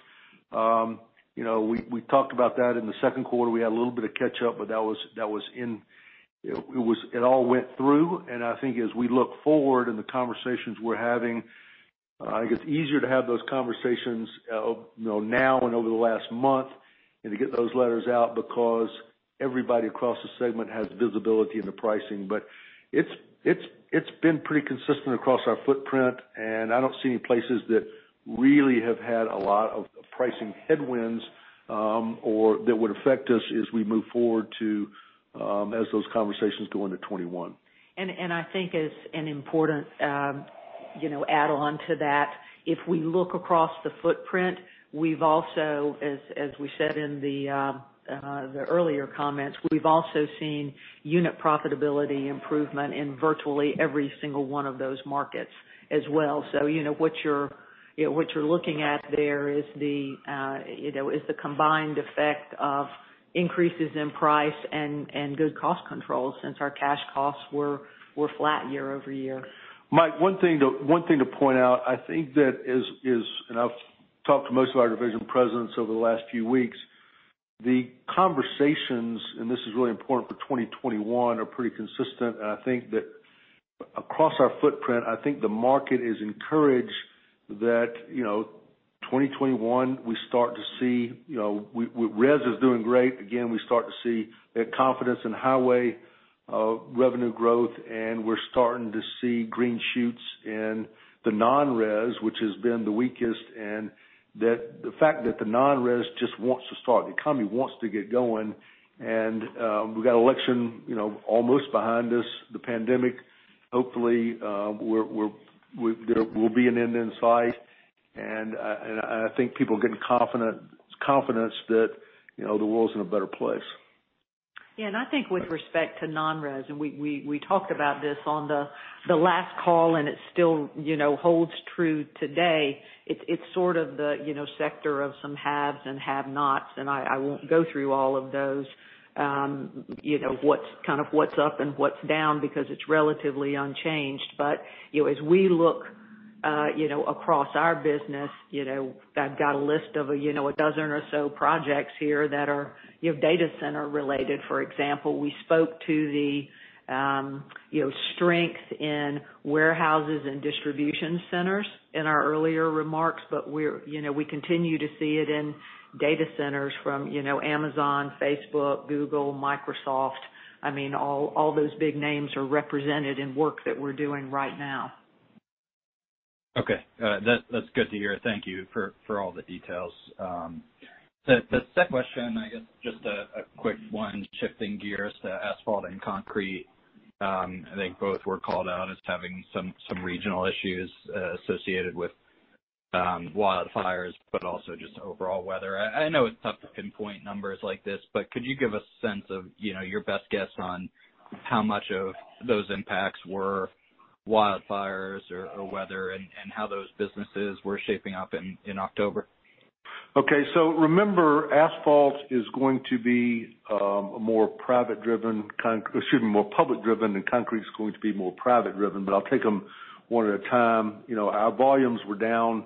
We talked about that in the second quarter. We had a little bit of catch up, but it all went through. I think as we look forward and the conversations we're having, I think it's easier to have those conversations now and over the last month and to get those letters out because everybody across the segment has visibility into pricing. It's been pretty consistent across our footprint, and I don't see any places that really have had a lot of pricing headwinds, or that would affect us as we move forward to as those conversations go into 2021. I think as an important add-on to that, if we look across the footprint, as we said in the earlier comments, we've also seen unit profitability improvement in virtually every single one of those markets as well. What you're looking at there is the combined effect of increases in price and good cost control since our cash costs were flat year-over-year. Mike, one thing to point out, I think that is, and I've talked to most of our division presidents over the last few weeks, the conversations, and this is really important for 2021, are pretty consistent. I think that across our footprint, I think the market is encouraged that 2021, res is doing great. Again, we start to see that confidence in highway revenue growth, and we're starting to see green shoots in the non-res, which has been the weakest, and the fact that the non-res just wants to start. The economy wants to get going, and we've got election almost behind us. The pandemic, hopefully, there will be an end in sight. I think people are getting confidence that the world's in a better place. I think with respect to non-res, and we talked about this on the last call, and it still holds true today. It's sort of the sector of some haves and have-nots, and I won't go through all of those, kind of what's up and what's down, because it's relatively unchanged. As we look across our business, I've got a list of a dozen or so projects here that are data center related. For example, we spoke to the strength in warehouses and distribution centers in our earlier remarks, but we continue to see it in data centers from Amazon, Facebook, Google, Microsoft. I mean, all those big names are represented in work that we're doing right now. That's good to hear. Thank you for all the details. The second question, I guess just a quick one, shifting gears to asphalt and concrete. I think both were called out as having some regional issues associated with wildfires, but also just overall weather. I know it's tough to pinpoint numbers like this, but could you give a sense of your best guess on how much of those impacts were wildfires or weather, and how those businesses were shaping up in October? Remember, asphalt is going to be more public driven, and concrete is going to be more private driven. I'll take them one at a time. Our volumes were down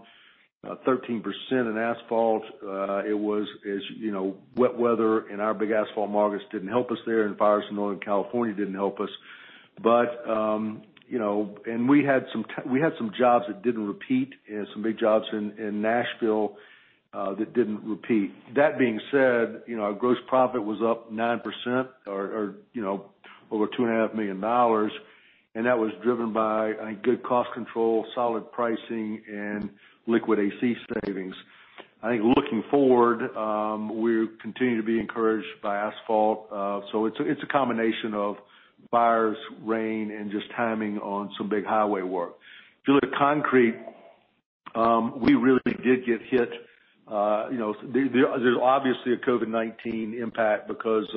13% in asphalt. It was wet weather, and our big asphalt markets didn't help us there, and fires in Northern California didn't help us. We had some jobs that didn't repeat and some big jobs in Nashville that didn't repeat. That being said, our gross profit was up 9% or over $2.5 million. That was driven by a good cost control, solid pricing, and liquid AC savings. I think looking forward, we continue to be encouraged by asphalt. It's a combination of buyers, rain, and just timing on some big highway work. If you look at concrete, we really did get hit. There's obviously a COVID-19 impact because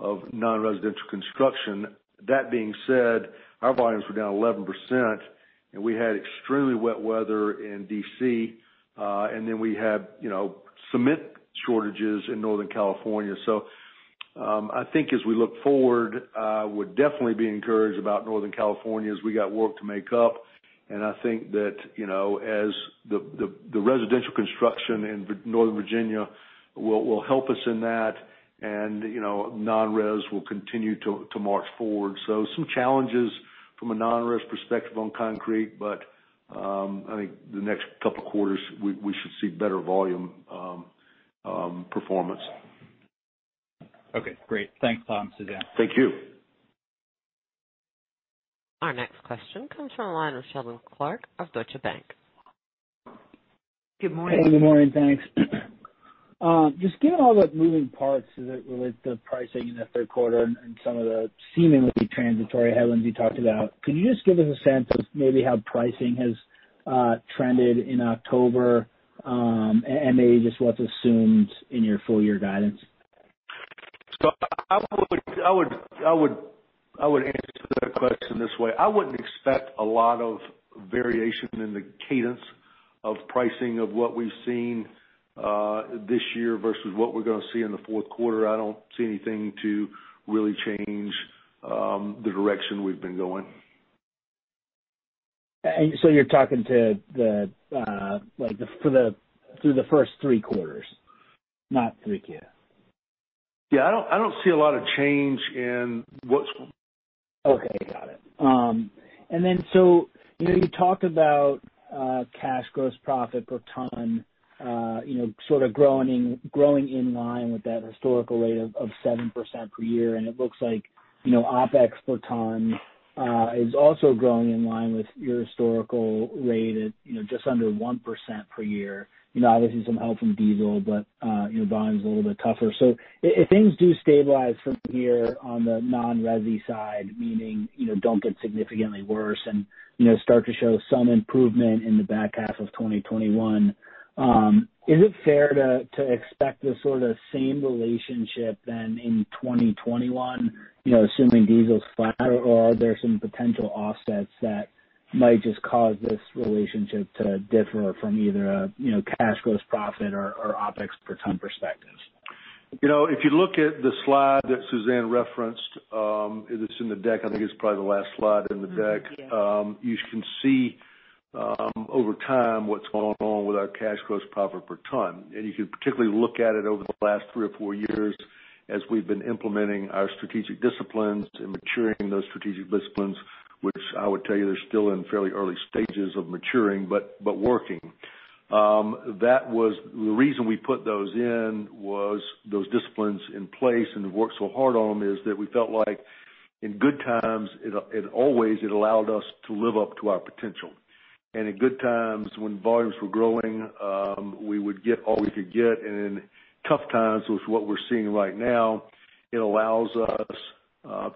of non-residential construction. That being said, our volumes were down 11%, and we had extremely wet weather in D.C., and then we had cement shortages in Northern California. I think as we look forward, I would definitely be encouraged about Northern California, as we got work to make up. I think that as the residential construction in Northern Virginia will help us in that, and non-res will continue to march forward. Some challenges from a non-res perspective on concrete, but I think the next couple of quarters, we should see better volume performance. Okay, great. Thanks, Tom. Suzanne. Thank you. Our next question comes from the line of Seldon Clarke of Deutsche Bank. Good morning. Hey, good morning. Thanks. Just given all the moving parts that relate to pricing in the third quarter and some of the seemingly transitory headwinds you talked about, can you just give us a sense of maybe how pricing has trended in October, and maybe just what's assumed in your full-year guidance? I would answer that question this way. I wouldn't expect a lot of variation in the cadence of pricing of what we've seen this year versus what we're going to see in the fourth quarter. I don't see anything to really change the direction we've been going. You're talking through the first three quarters, not 3Q? Yeah, I don't see a lot of change in what's. Okay, got it. You talked about cash gross profit per ton sort of growing in line with that historical rate of 7% per year. It looks like OPEX per ton is also growing in line with your historical rate at just under 1% per year. Obviously, some help from diesel, but volume's a little bit tougher. If things do stabilize from here on the non-resi side, meaning don't get significantly worse and start to show some improvement in the back half of 2021, is it fair to expect the sort of same relationship then in 2021, assuming diesel's flat, or are there some potential offsets that might just cause this relationship to differ from either a cash gross profit or OPEX per ton perspective? If you look at the slide that Suzanne referenced, it's in the deck. I think it's probably the last slide in the deck. Yeah. You can see over time what's going on with our cash gross profit per ton. You can particularly look at it over the last three or four years as we've been implementing our strategic disciplines and maturing those strategic disciplines, which I would tell you they're still in fairly early stages of maturing, but working. The reason we put those in was those disciplines in place and have worked so hard on them is that we felt like in good times, it always allowed us to live up to our potential. In good times when volumes were growing, we would get all we could get. In tough times with what we're seeing right now, it allows us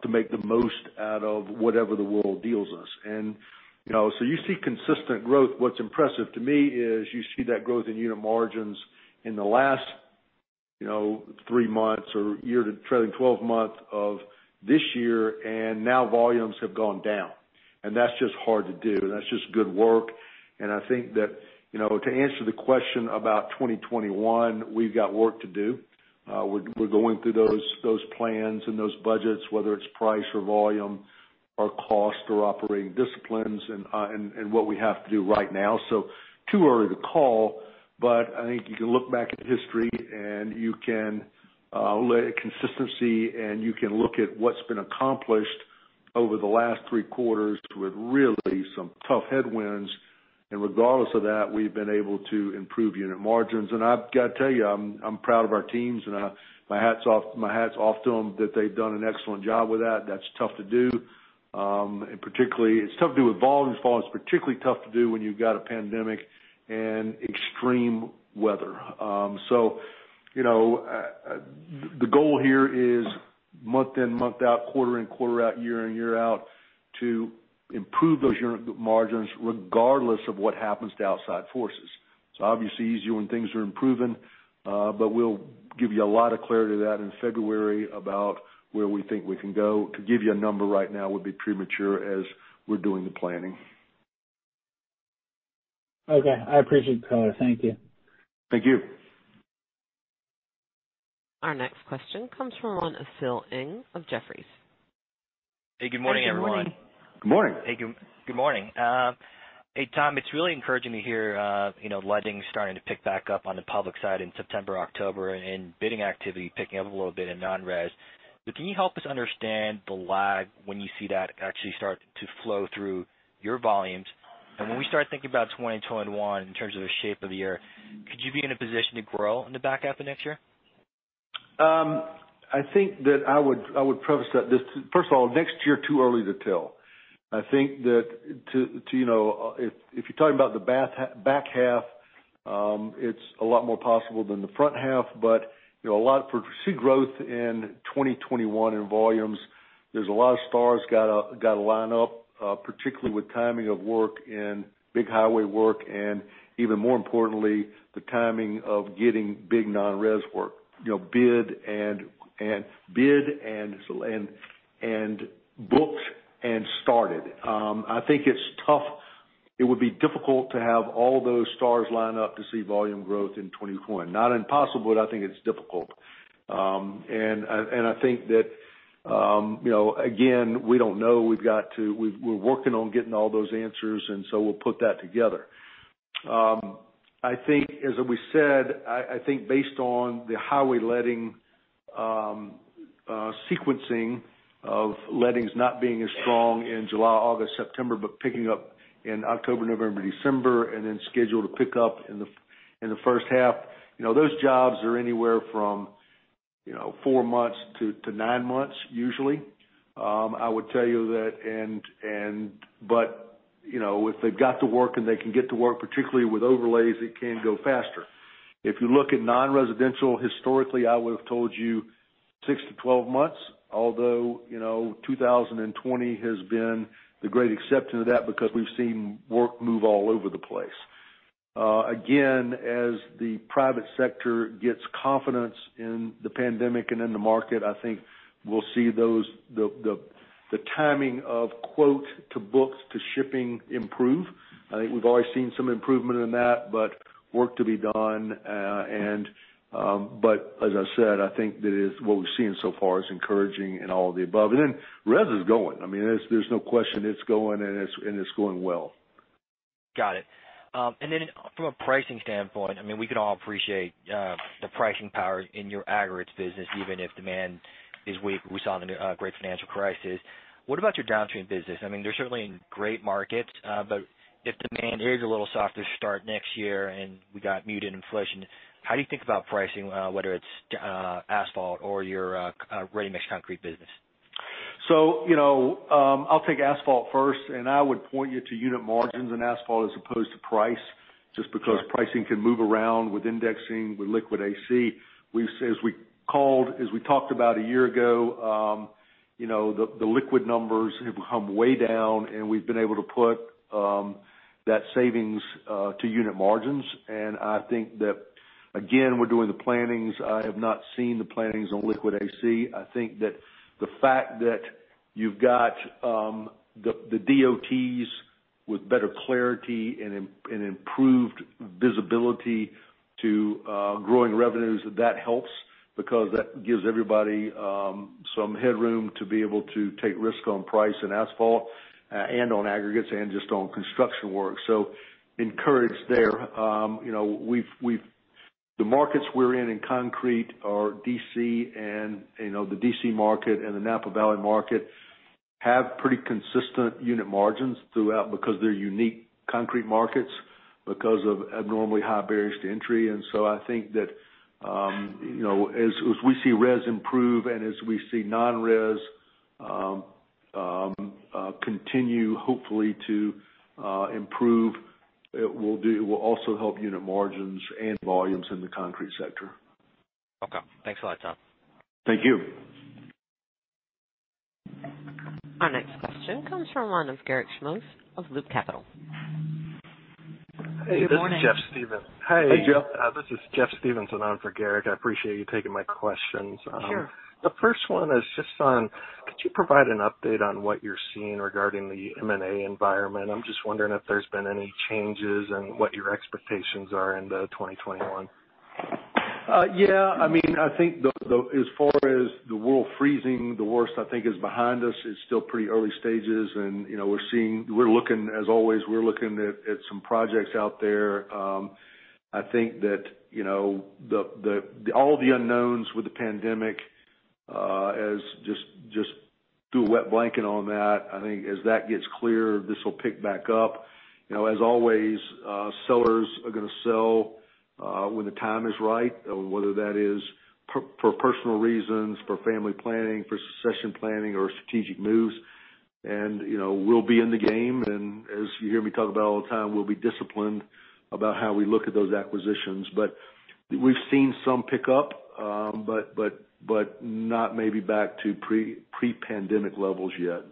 to make the most out of whatever the world deals us. You see consistent growth. What's impressive to me is you see that growth in unit margins in the last three months or trailing 12 months of this year, now volumes have gone down. That's just hard to do. That's just good work. I think that to answer the question about 2021, we've got work to do. We're going through those plans and those budgets, whether it's price or volume or cost or operating disciplines and what we have to do right now. Too early to call, but I think you can look back at history and you can look at consistency, and you can look at what's been accomplished over the last three quarters with really some tough headwinds. Regardless of that, we've been able to improve unit margins. I've got to tell you, I'm proud of our teams, and my hat's off to them that they've done an excellent job with that. That's tough to do. Particularly, it's tough to do with volume falls, particularly tough to do when you've got a pandemic and extreme weather. The goal here is month in, month out, quarter in, quarter out, year in, year out to improve those unit margins regardless of what happens to outside forces. It's obviously easier when things are improving, but we'll give you a lot of clarity to that in February about where we think we can go. To give you a number right now would be premature as we're doing the planning. Okay. I appreciate the color. Thank you. Thank you. Our next question comes from the line of Phil Ng of Jefferies. Hey, good morning, everyone. Good morning. Hey, good morning. Hey, Tom, it's really encouraging to hear lending starting to pick back up on the public side in September, October, and bidding activity picking up a little bit in non-res. Can you help us understand the lag when you see that actually start to flow through your volumes? When we start thinking about 2021 in terms of the shape of the year, could you be in a position to grow in the back half of next year? I think that I would preface that. First of all, next year, too early to tell. I think that if you're talking about the back half, it's a lot more possible than the front half, but to see growth in 2021 in volumes, there's a lot of stars got to line up, particularly with timing of work and big highway work, and even more importantly, the timing of getting big non-res work. Bid and booked and started. I think it's tough. It would be difficult to have all those stars line up to see volume growth in 2021. Not impossible, but I think it's difficult. I think that again, we don't know. We're working on getting all those answers, and so we'll put that together. As we said, I think based on the highway letting, sequencing of lettings not being as strong in July, August, September, but picking up in October, November, December, and then scheduled to pick up in the first half. Those jobs are anywhere from four months to nine months, usually. I would tell you that. If they've got to work and they can get to work, particularly with overlays, it can go faster. If you look at non-residential, historically, I would've told you 6-12 months. 2020 has been the great exception to that because we've seen work move all over the place. As the private sector gets confidence in the pandemic and in the market, I think we'll see the timing of quote to books to shipping improve. I think we've already seen some improvement in that, but work to be done. As I said, I think that what we've seen so far is encouraging and all of the above. Res is going. There's no question it's going, and it's going well. Got it. From a pricing standpoint, we can all appreciate the pricing power in your aggregates business, even if demand is weak. We saw the great financial crisis. What about your downstream business? They're certainly in great markets. If demand is a little softer start next year, and we got muted inflation, how do you think about pricing, whether it's asphalt or your ready-mix concrete business? I'll take asphalt first, and I would point you to unit margins in asphalt as opposed to price, just because pricing can move around with indexing, with liquid AC. As we talked about a year ago, the liquid numbers have come way down, and we've been able to put that savings to unit margins. I think that, again, we're doing the plannings. I have not seen the plannings on liquid AC. I think that the fact that you've got the DOTs with better clarity and improved visibility to growing revenues, that helps because that gives everybody some headroom to be able to take risk on price and asphalt and on aggregates and just on construction work. Encouraged there. The markets we're in concrete are the D.C. market and the Napa Valley market, have pretty consistent unit margins throughout because they're unique concrete markets because of abnormally high barriers to entry. I think that as we see res improve and as we see non-res continue, hopefully, to improve, it will also help unit margins and volumes in the concrete sector. Okay. Thanks a lot, Tom. Thank you. Our next question comes from the line of Garik Shmois of Loop Capital. Hey. Good morning. This is Jeff Stevenson. Hey, Jeff. This is Jeff Stevenson on for Garik. I appreciate you taking my questions. Sure. The first one is just on, could you provide an update on what you're seeing regarding the M&A environment? I'm just wondering if there's been any changes and what your expectations are into 2021? Yeah. I think as far as the world freezing, the worst, I think, is behind us. It's still pretty early stages, and as always, we're looking at some projects out there. I think that all the unknowns with the pandemic, just threw a wet blanket on that. I think as that gets clear, this will pick back up. As always, sellers are gonna sell when the time is right, whether that is for personal reasons, for family planning, for succession planning or strategic moves. We'll be in the game, and as you hear me talk about all the time, we'll be disciplined about how we look at those acquisitions. We've seen some pick up, but not maybe back to pre-pandemic levels yet.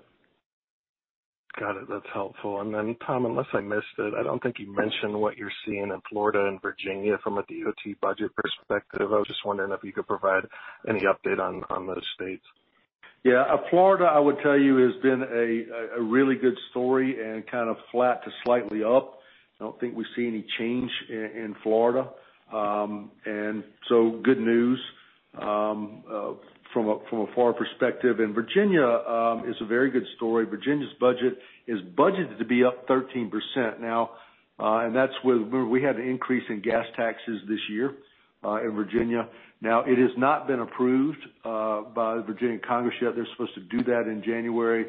Got it. That's helpful. Tom, unless I missed it, I don't think you mentioned what you're seeing in Florida and Virginia from a DOT budget perspective. I was just wondering if you could provide any update on those states. Yeah. Florida, I would tell you, has been a really good story and kind of flat to slightly up. I don't think we see any change in Florida. Good news from a far perspective. Virginia is a very good story. Virginia's budget is budgeted to be up 13% now. That's where we had an increase in gas taxes this year in Virginia. Now, it has not been approved by the Virginia Congress yet. They're supposed to do that in January.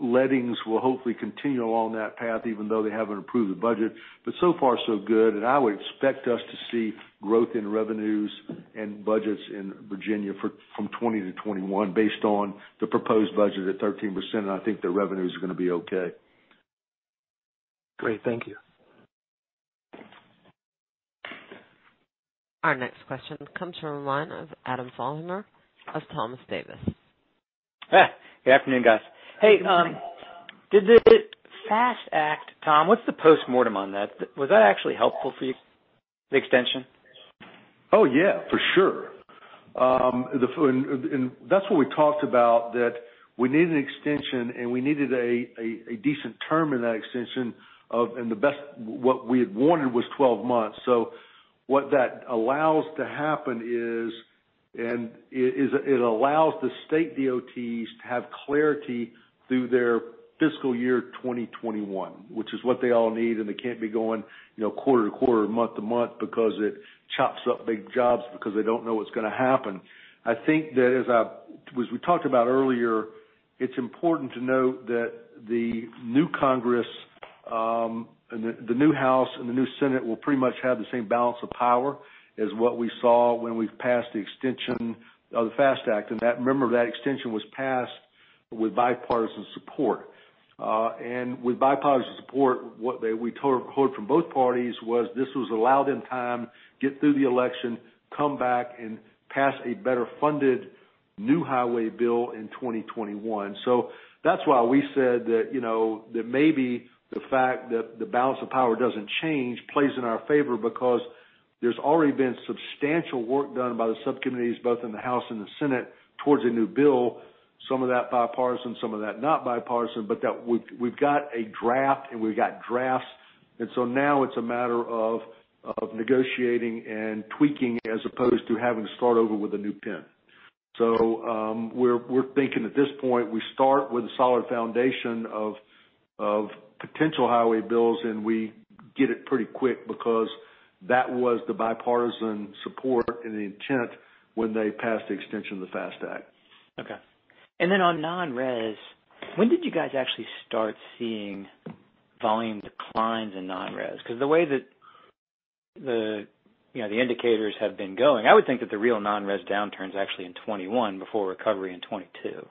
Lettings will hopefully continue along that path, even though they haven't approved the budget. So far, so good. I would expect us to see growth in revenues and budgets in Virginia from 2020 to 2021, based on the proposed budget at 13%, and I think the revenues are going to be okay. Great. Thank you. Our next question comes from the line of Adam Thalhimer of Thompson Davis. Good afternoon, guys. Hey, did the FAST Act, Tom, what's the postmortem on that? Was that actually helpful for you, the extension? Yeah, for sure. That's what we talked about, that we need an extension, and we needed a decent term in that extension. What we had wanted was 12 months. What that allows to happen is it allows the state DOTs to have clarity through their fiscal year 2021, which is what they all need, and they can't be going quarter-to-quarter, month-to-month because it chops up big jobs because they don't know what's going to happen. I think that as we talked about earlier, it's important to note that the new Congress and the new House and the new Senate will pretty much have the same balance of power as what we saw when we passed the extension of the FAST Act. Remember, that extension was passed with bipartisan support. With bipartisan support, what we heard from both parties was this was allow them time, get through the election, come back, and pass a better-funded new highway bill in 2021. That's why we said that maybe the fact that the balance of power doesn't change plays in our favor because there's already been substantial work done by the subcommittees, both in the House and the Senate, towards a new bill. Some of that bipartisan, some of that not bipartisan, but that we've got a draft, and we've got drafts. Now it's a matter of negotiating and tweaking as opposed to having to start over with a new pen. We're thinking at this point, we start with a solid foundation of potential highway bills, and we get it pretty quick because that was the bipartisan support and the intent when they passed the extension of the FAST Act. Okay. On non-res, when did you guys actually start seeing volume declines in non-res? The way that the indicators have been going, I would think that the real non-res downturn is actually in 2021, before recovery in 2022.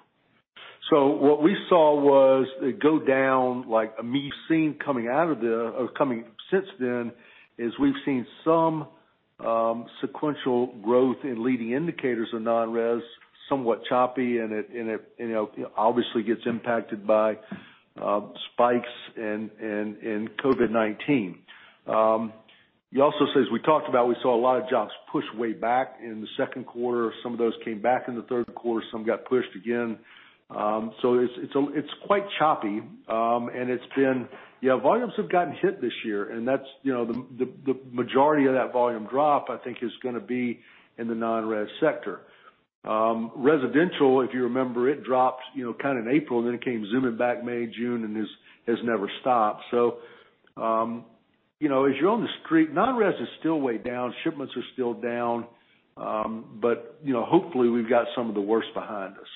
What we saw was it go down. We've seen some sequential growth in leading indicators of non-res, somewhat choppy, and it obviously gets impacted by spikes and COVID-19. We also saw, as we talked about, we saw a lot of jobs push way back in the second quarter. Some of those came back in the third quarter. Some got pushed again. It's quite choppy. Yeah, volumes have gotten hit this year, and the majority of that volume drop, I think, is going to be in the non-res sector. Residential, if you remember, it dropped in April, and then it came zooming back May, June, and has never stopped. As you're on the street, non-res is still way down. Shipments are still down. Hopefully, we've got some of the worst behind us.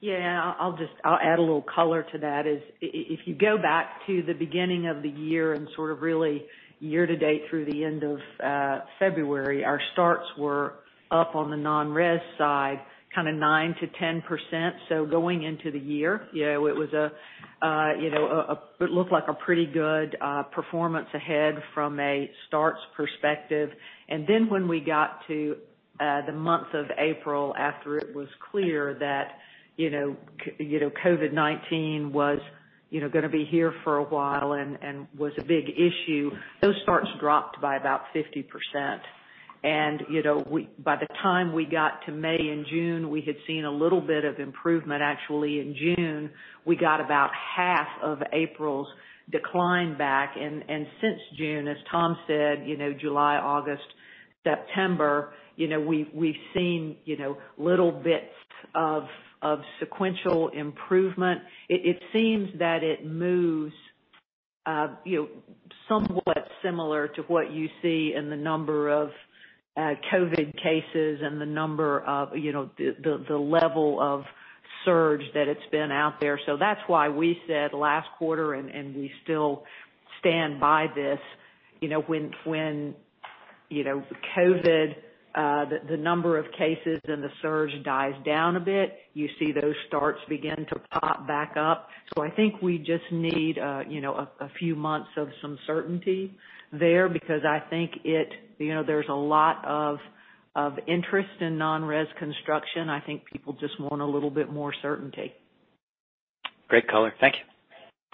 Yeah. I'll add a little color to that is if you go back to the beginning of the year and sort of really year-to-date through the end of February, our starts were up on the non-res side kind of 9%-10%. Going into the year, it looked like a pretty good performance ahead from a starts perspective. When we got to the month of April, after it was clear that COVID-19 was going to be here for a while and was a big issue, those starts dropped by about 50%. By the time we got to May and June, we had seen a little bit of improvement. Actually, in June, we got about half of April's decline back. Since June, as Tom said, July, August, September, we've seen little bits of sequential improvement. It seems that it moves somewhat similar to what you see in the number of COVID cases and the level of surge that it's been out there. That's why we said last quarter, and we still stand by this, when COVID, the number of cases and the surge dies down a bit, you see those starts begin to pop back up. I think we just need a few months of some certainty there because I think there's a lot of interest in non-res construction. I think people just want a little bit more certainty. Great color. Thank you.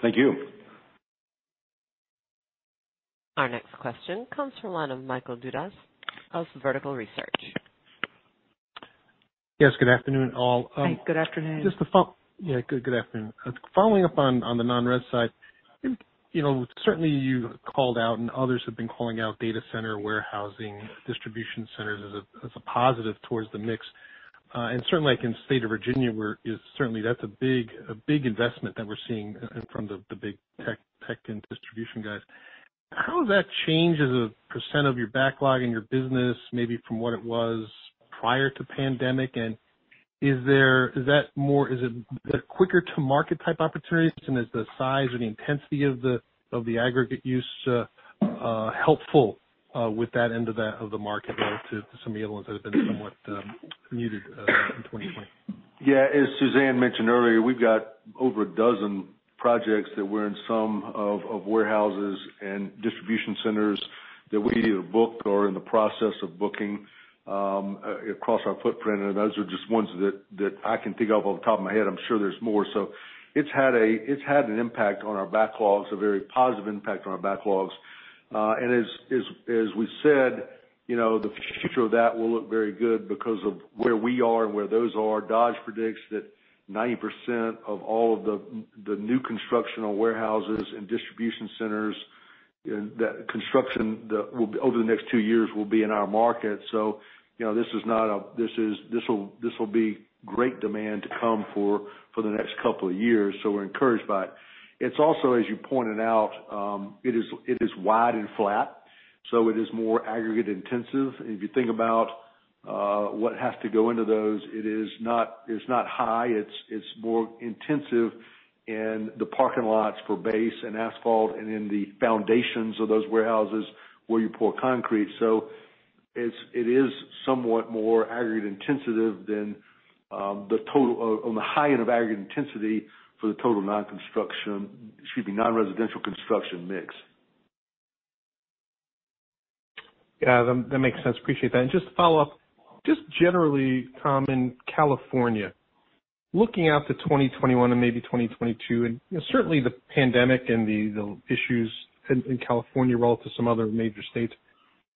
Thank you. Our next question comes from the line of Michael Dudas of Vertical Research. Yes. Good afternoon, all. Hi. Good afternoon. Yeah. Good afternoon. Following up on the non-res side, certainly you called out, and others have been calling out data center warehousing distribution centers as a positive towards the mix. Certainly like in the state of Virginia, certainly that's a big investment that we're seeing from the big tech and distribution guys. How has that changed as a percent of your backlog and your business, maybe from what it was prior to pandemic, and is it a quicker-to-market type opportunity? Is the size and the intensity of the aggregate use helpful with that end of the market relative to some of the other ones that have been somewhat muted in 2020? Yeah. As Suzanne mentioned earlier, we've got over a dozen projects that we're in some of warehouses and distribution centers that we either booked or are in the process of booking across our footprint, and those are just ones that I can think of off the top of my head. I'm sure there's more. It's had an impact on our backlogs, a very positive impact on our backlogs. As we said, the future of that will look very good because of where we are and where those are. Dodge predicts that 90% of all of the new construction on warehouses and distribution centers, and that construction over the next two years will be in our market. This will be great demand to come for the next couple of years. We're encouraged by it. It's also, as you pointed out, it is wide and flat. It is more aggregate intensive. If you think about what has to go into those, it's not high. It's more intensive in the parking lots for base and asphalt and in the foundations of those warehouses where you pour concrete. It is somewhat more aggregate intensive on the high end of aggregate intensity for the total non-residential construction mix. Yeah. That makes sense. Appreciate that. Just to follow up, just generally, Tom, in California, looking out to 2021 and maybe 2022, and certainly the pandemic and the issues in California relative to some other major states,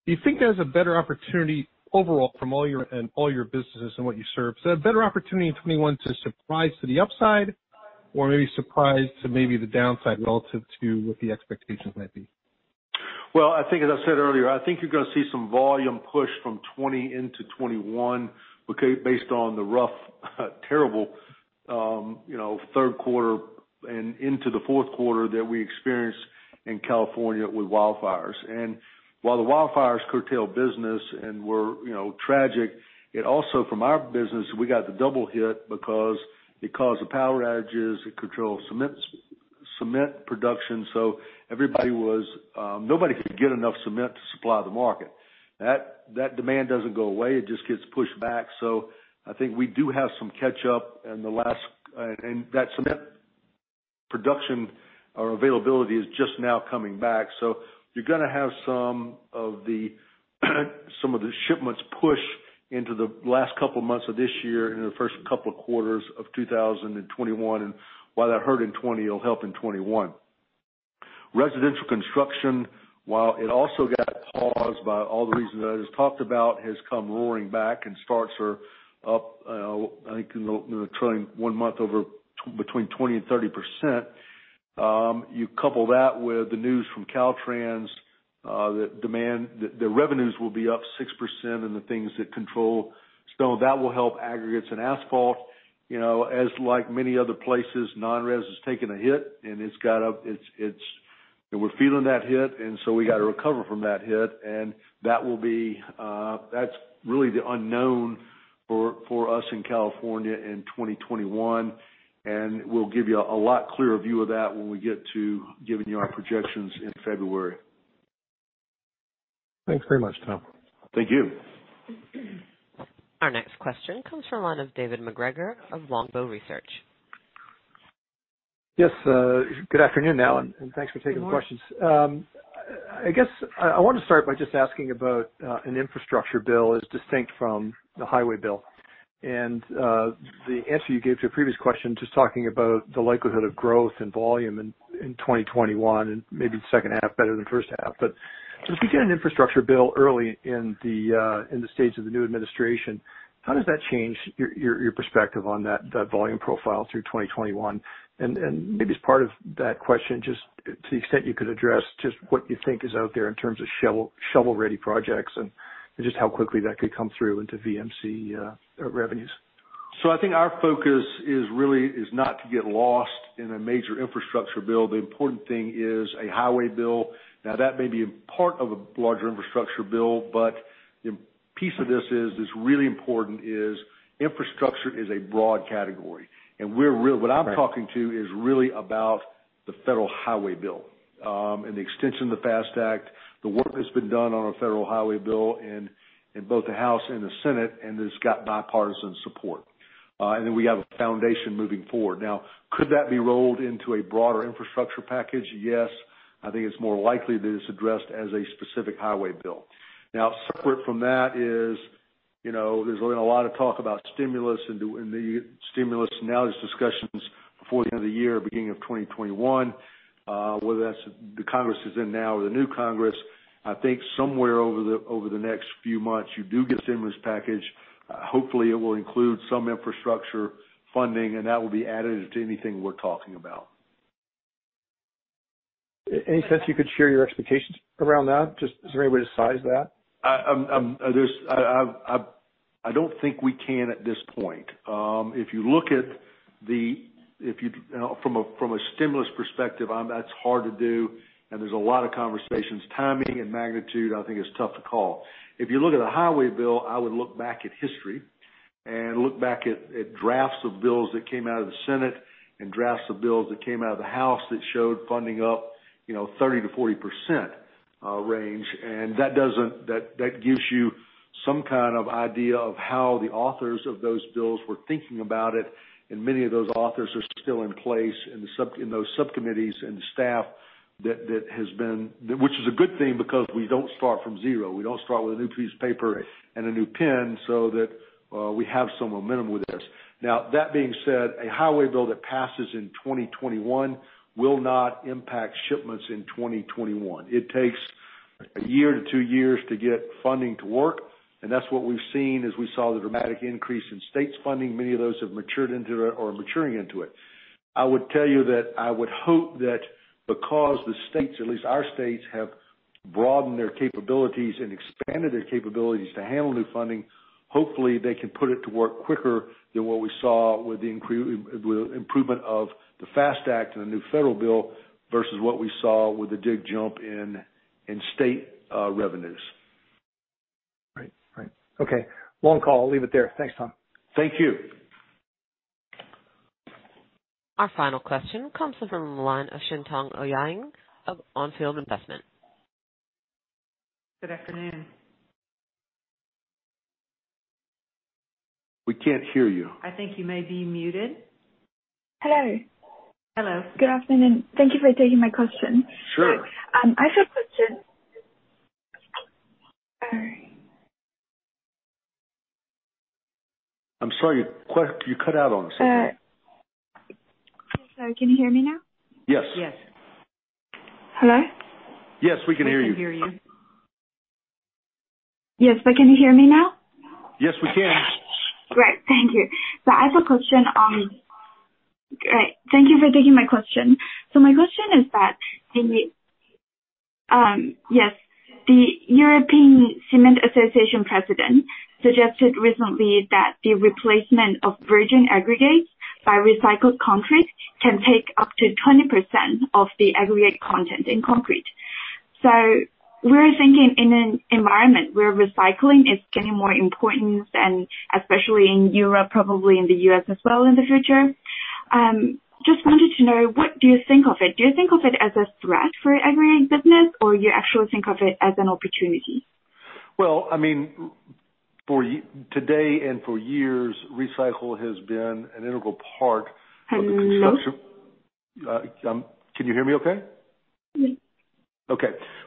do you think there's a better opportunity overall from all your businesses and what you serve? A better opportunity in 2021 to surprise to the upside or maybe surprise to maybe the downside relative to what the expectations might be? Well, I think as I said earlier, I think you're going to see some volume push from 2020 into 2021 based on the rough, terrible third quarter and into the fourth quarter that we experienced in California with wildfires. While the wildfires curtail business and were tragic, it also from our business, we got the double hit because it caused the power outages. It curtailled cement production. Nobody could get enough cement to supply the market. That demand doesn't go away. It just gets pushed back. I think we do have some catch-up, and that cement production or availability is just now coming back. You're gonna have some of the shipments push into the last couple of months of this year and in the first couple of quarters of 2021. While that hurt in 2020, it'll help in 2021. Residential construction, while it also got paused by all the reasons I just talked about, has come roaring back, and starts are up, I think, in the trailing one month, between 20% and 30%. You couple that with the news from Caltrans, that their revenues will be up 6% in the things that control. That will help aggregates and asphalt. As like many other places, non-res has taken a hit, and we're feeling that hit, and so we got to recover from that hit. That's really the unknown for us in California in 2021. We'll give you a lot clearer view of that when we get to giving you our projections in February. Thanks very much, Tom. Thank you. Our next question comes from the line of David MacGregor of Longbow Research. Yes. Good afternoon all, and thanks for taking the questions. I guess I want to start by just asking about an infrastructure bill as distinct from the highway bill. The answer you gave to a previous question, just talking about the likelihood of growth and volume in 2021, and maybe the second half better than the first half. If we get an infrastructure bill early in the stage of the new administration, how does that change your perspective on that volume profile through 2021? Maybe as part of that question, just to the extent you could address just what you think is out there in terms of shovel-ready projects and just how quickly that could come through into VMC revenues. I think our focus is really not to get lost in a major infrastructure bill. The important thing is a highway bill. That may be a part of a larger infrastructure bill, the piece of this that's really important is infrastructure is a broad category. What I'm talking to is really about the federal highway bill, and the extension of the FAST Act, the work that's been done on a federal highway bill in both the House and the Senate, it's got bipartisan support. We have a foundation moving forward. Could that be rolled into a broader infrastructure package? Yes. I think it's more likely that it's addressed as a specific highway bill. Now, separate from that is there's been a lot of talk about stimulus, and now there's discussions before the end of the year, beginning of 2021, whether that's the Congress that's in now or the new Congress. I think somewhere over the next few months, you do get a stimulus package. Hopefully, it will include some infrastructure funding, and that will be added to anything we're talking about. Any sense you could share your expectations around that? Just is there any way to size that? I don't think we can at this point. From a stimulus perspective, that's hard to do, and there's a lot of conversations. Timing and magnitude, I think is tough to call. If you look at a highway bill, I would look back at history and look back at drafts of bills that came out of the Senate and drafts of bills that came out of the House that showed funding up 30%-40% range. That gives you some kind of idea of how the authors of those bills were thinking about it. Many of those authors are still in place in those subcommittees and the staff, which is a good thing because we don't start from zero. We don't start with a new piece of paper and a new pen, so that we have some momentum with this. That being said, a highway bill that passes in 2021 will not impact shipments in 2021. It takes a year to two years to get funding to work, that's what we've seen as we saw the dramatic increase in states funding. Many of those have matured into, or are maturing into it. I would tell you that I would hope that because the states, at least our states, have broadened their capabilities and expanded their capabilities to handle new funding. Hopefully, they can put it to work quicker than what we saw with the improvement of the FAST Act and the new federal bill versus what we saw with the big jump in state revenues. Right. Okay. One call. I'll leave it there. Thanks, Tom. Thank you. Our final question comes from the line of Xintong Ouyang of On Field Investment. Good afternoon. We can't hear you. I think you may be muted. Hello. Hello. Good afternoon. Thank you for taking my question. Sure. I have a question. Sorry. I'm sorry. You cut out on us. Sorry. Can you hear me now? Yes. Yes. Hello? Yes, we can hear you. We can hear you. Yes. Can you hear me now? Yes, we can. Great. Thank you. Thank you for taking my question. My question is that, yes, the European Cement Association president suggested recently that the replacement of virgin aggregates by recycled concrete can take up to 20% of the aggregate content in concrete. We're thinking in an environment where recycling is getting more important, and especially in Europe, probably in the U.S. as well in the future. Just wanted to know, what do you think of it? Do you think of it as a threat for aggregate business, or you actually think of it as an opportunity? Well, for today and for years, recycle has been an integral part of the construction- Hello? Can you hear me okay? Yes.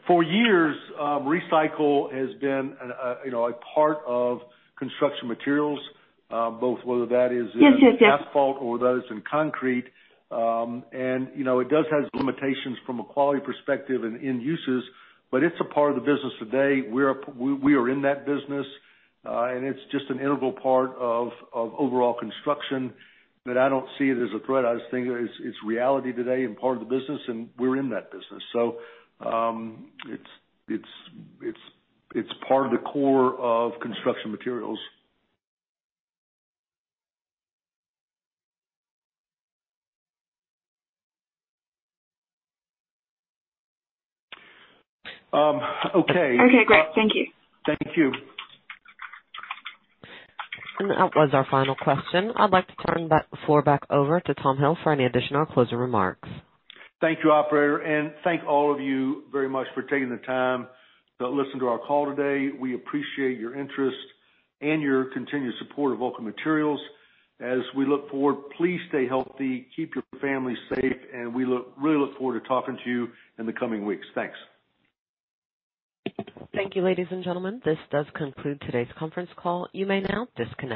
For years, recycle has been a part of construction materials. Yes in asphalt or whether it's in concrete. It does have limitations from a quality perspective and end uses, but it's a part of the business today. We are in that business. It's just an integral part of overall construction that I don't see it as a threat. I just think it's reality today and part of the business, and we're in that business. It's part of the core of construction materials. Okay. Okay, great. Thank you. Thank you. That was our final question. I'd like to turn the floor back over to Tom Hill for any additional closing remarks. Thank you, operator. Thank all of you very much for taking the time to listen to our call today. We appreciate your interest and your continued support of Vulcan Materials. As we look forward, please stay healthy, keep your family safe, and we really look forward to talking to you in the coming weeks. Thanks. Thank you, ladies and gentlemen. This does conclude today's conference call. You may now disconnect.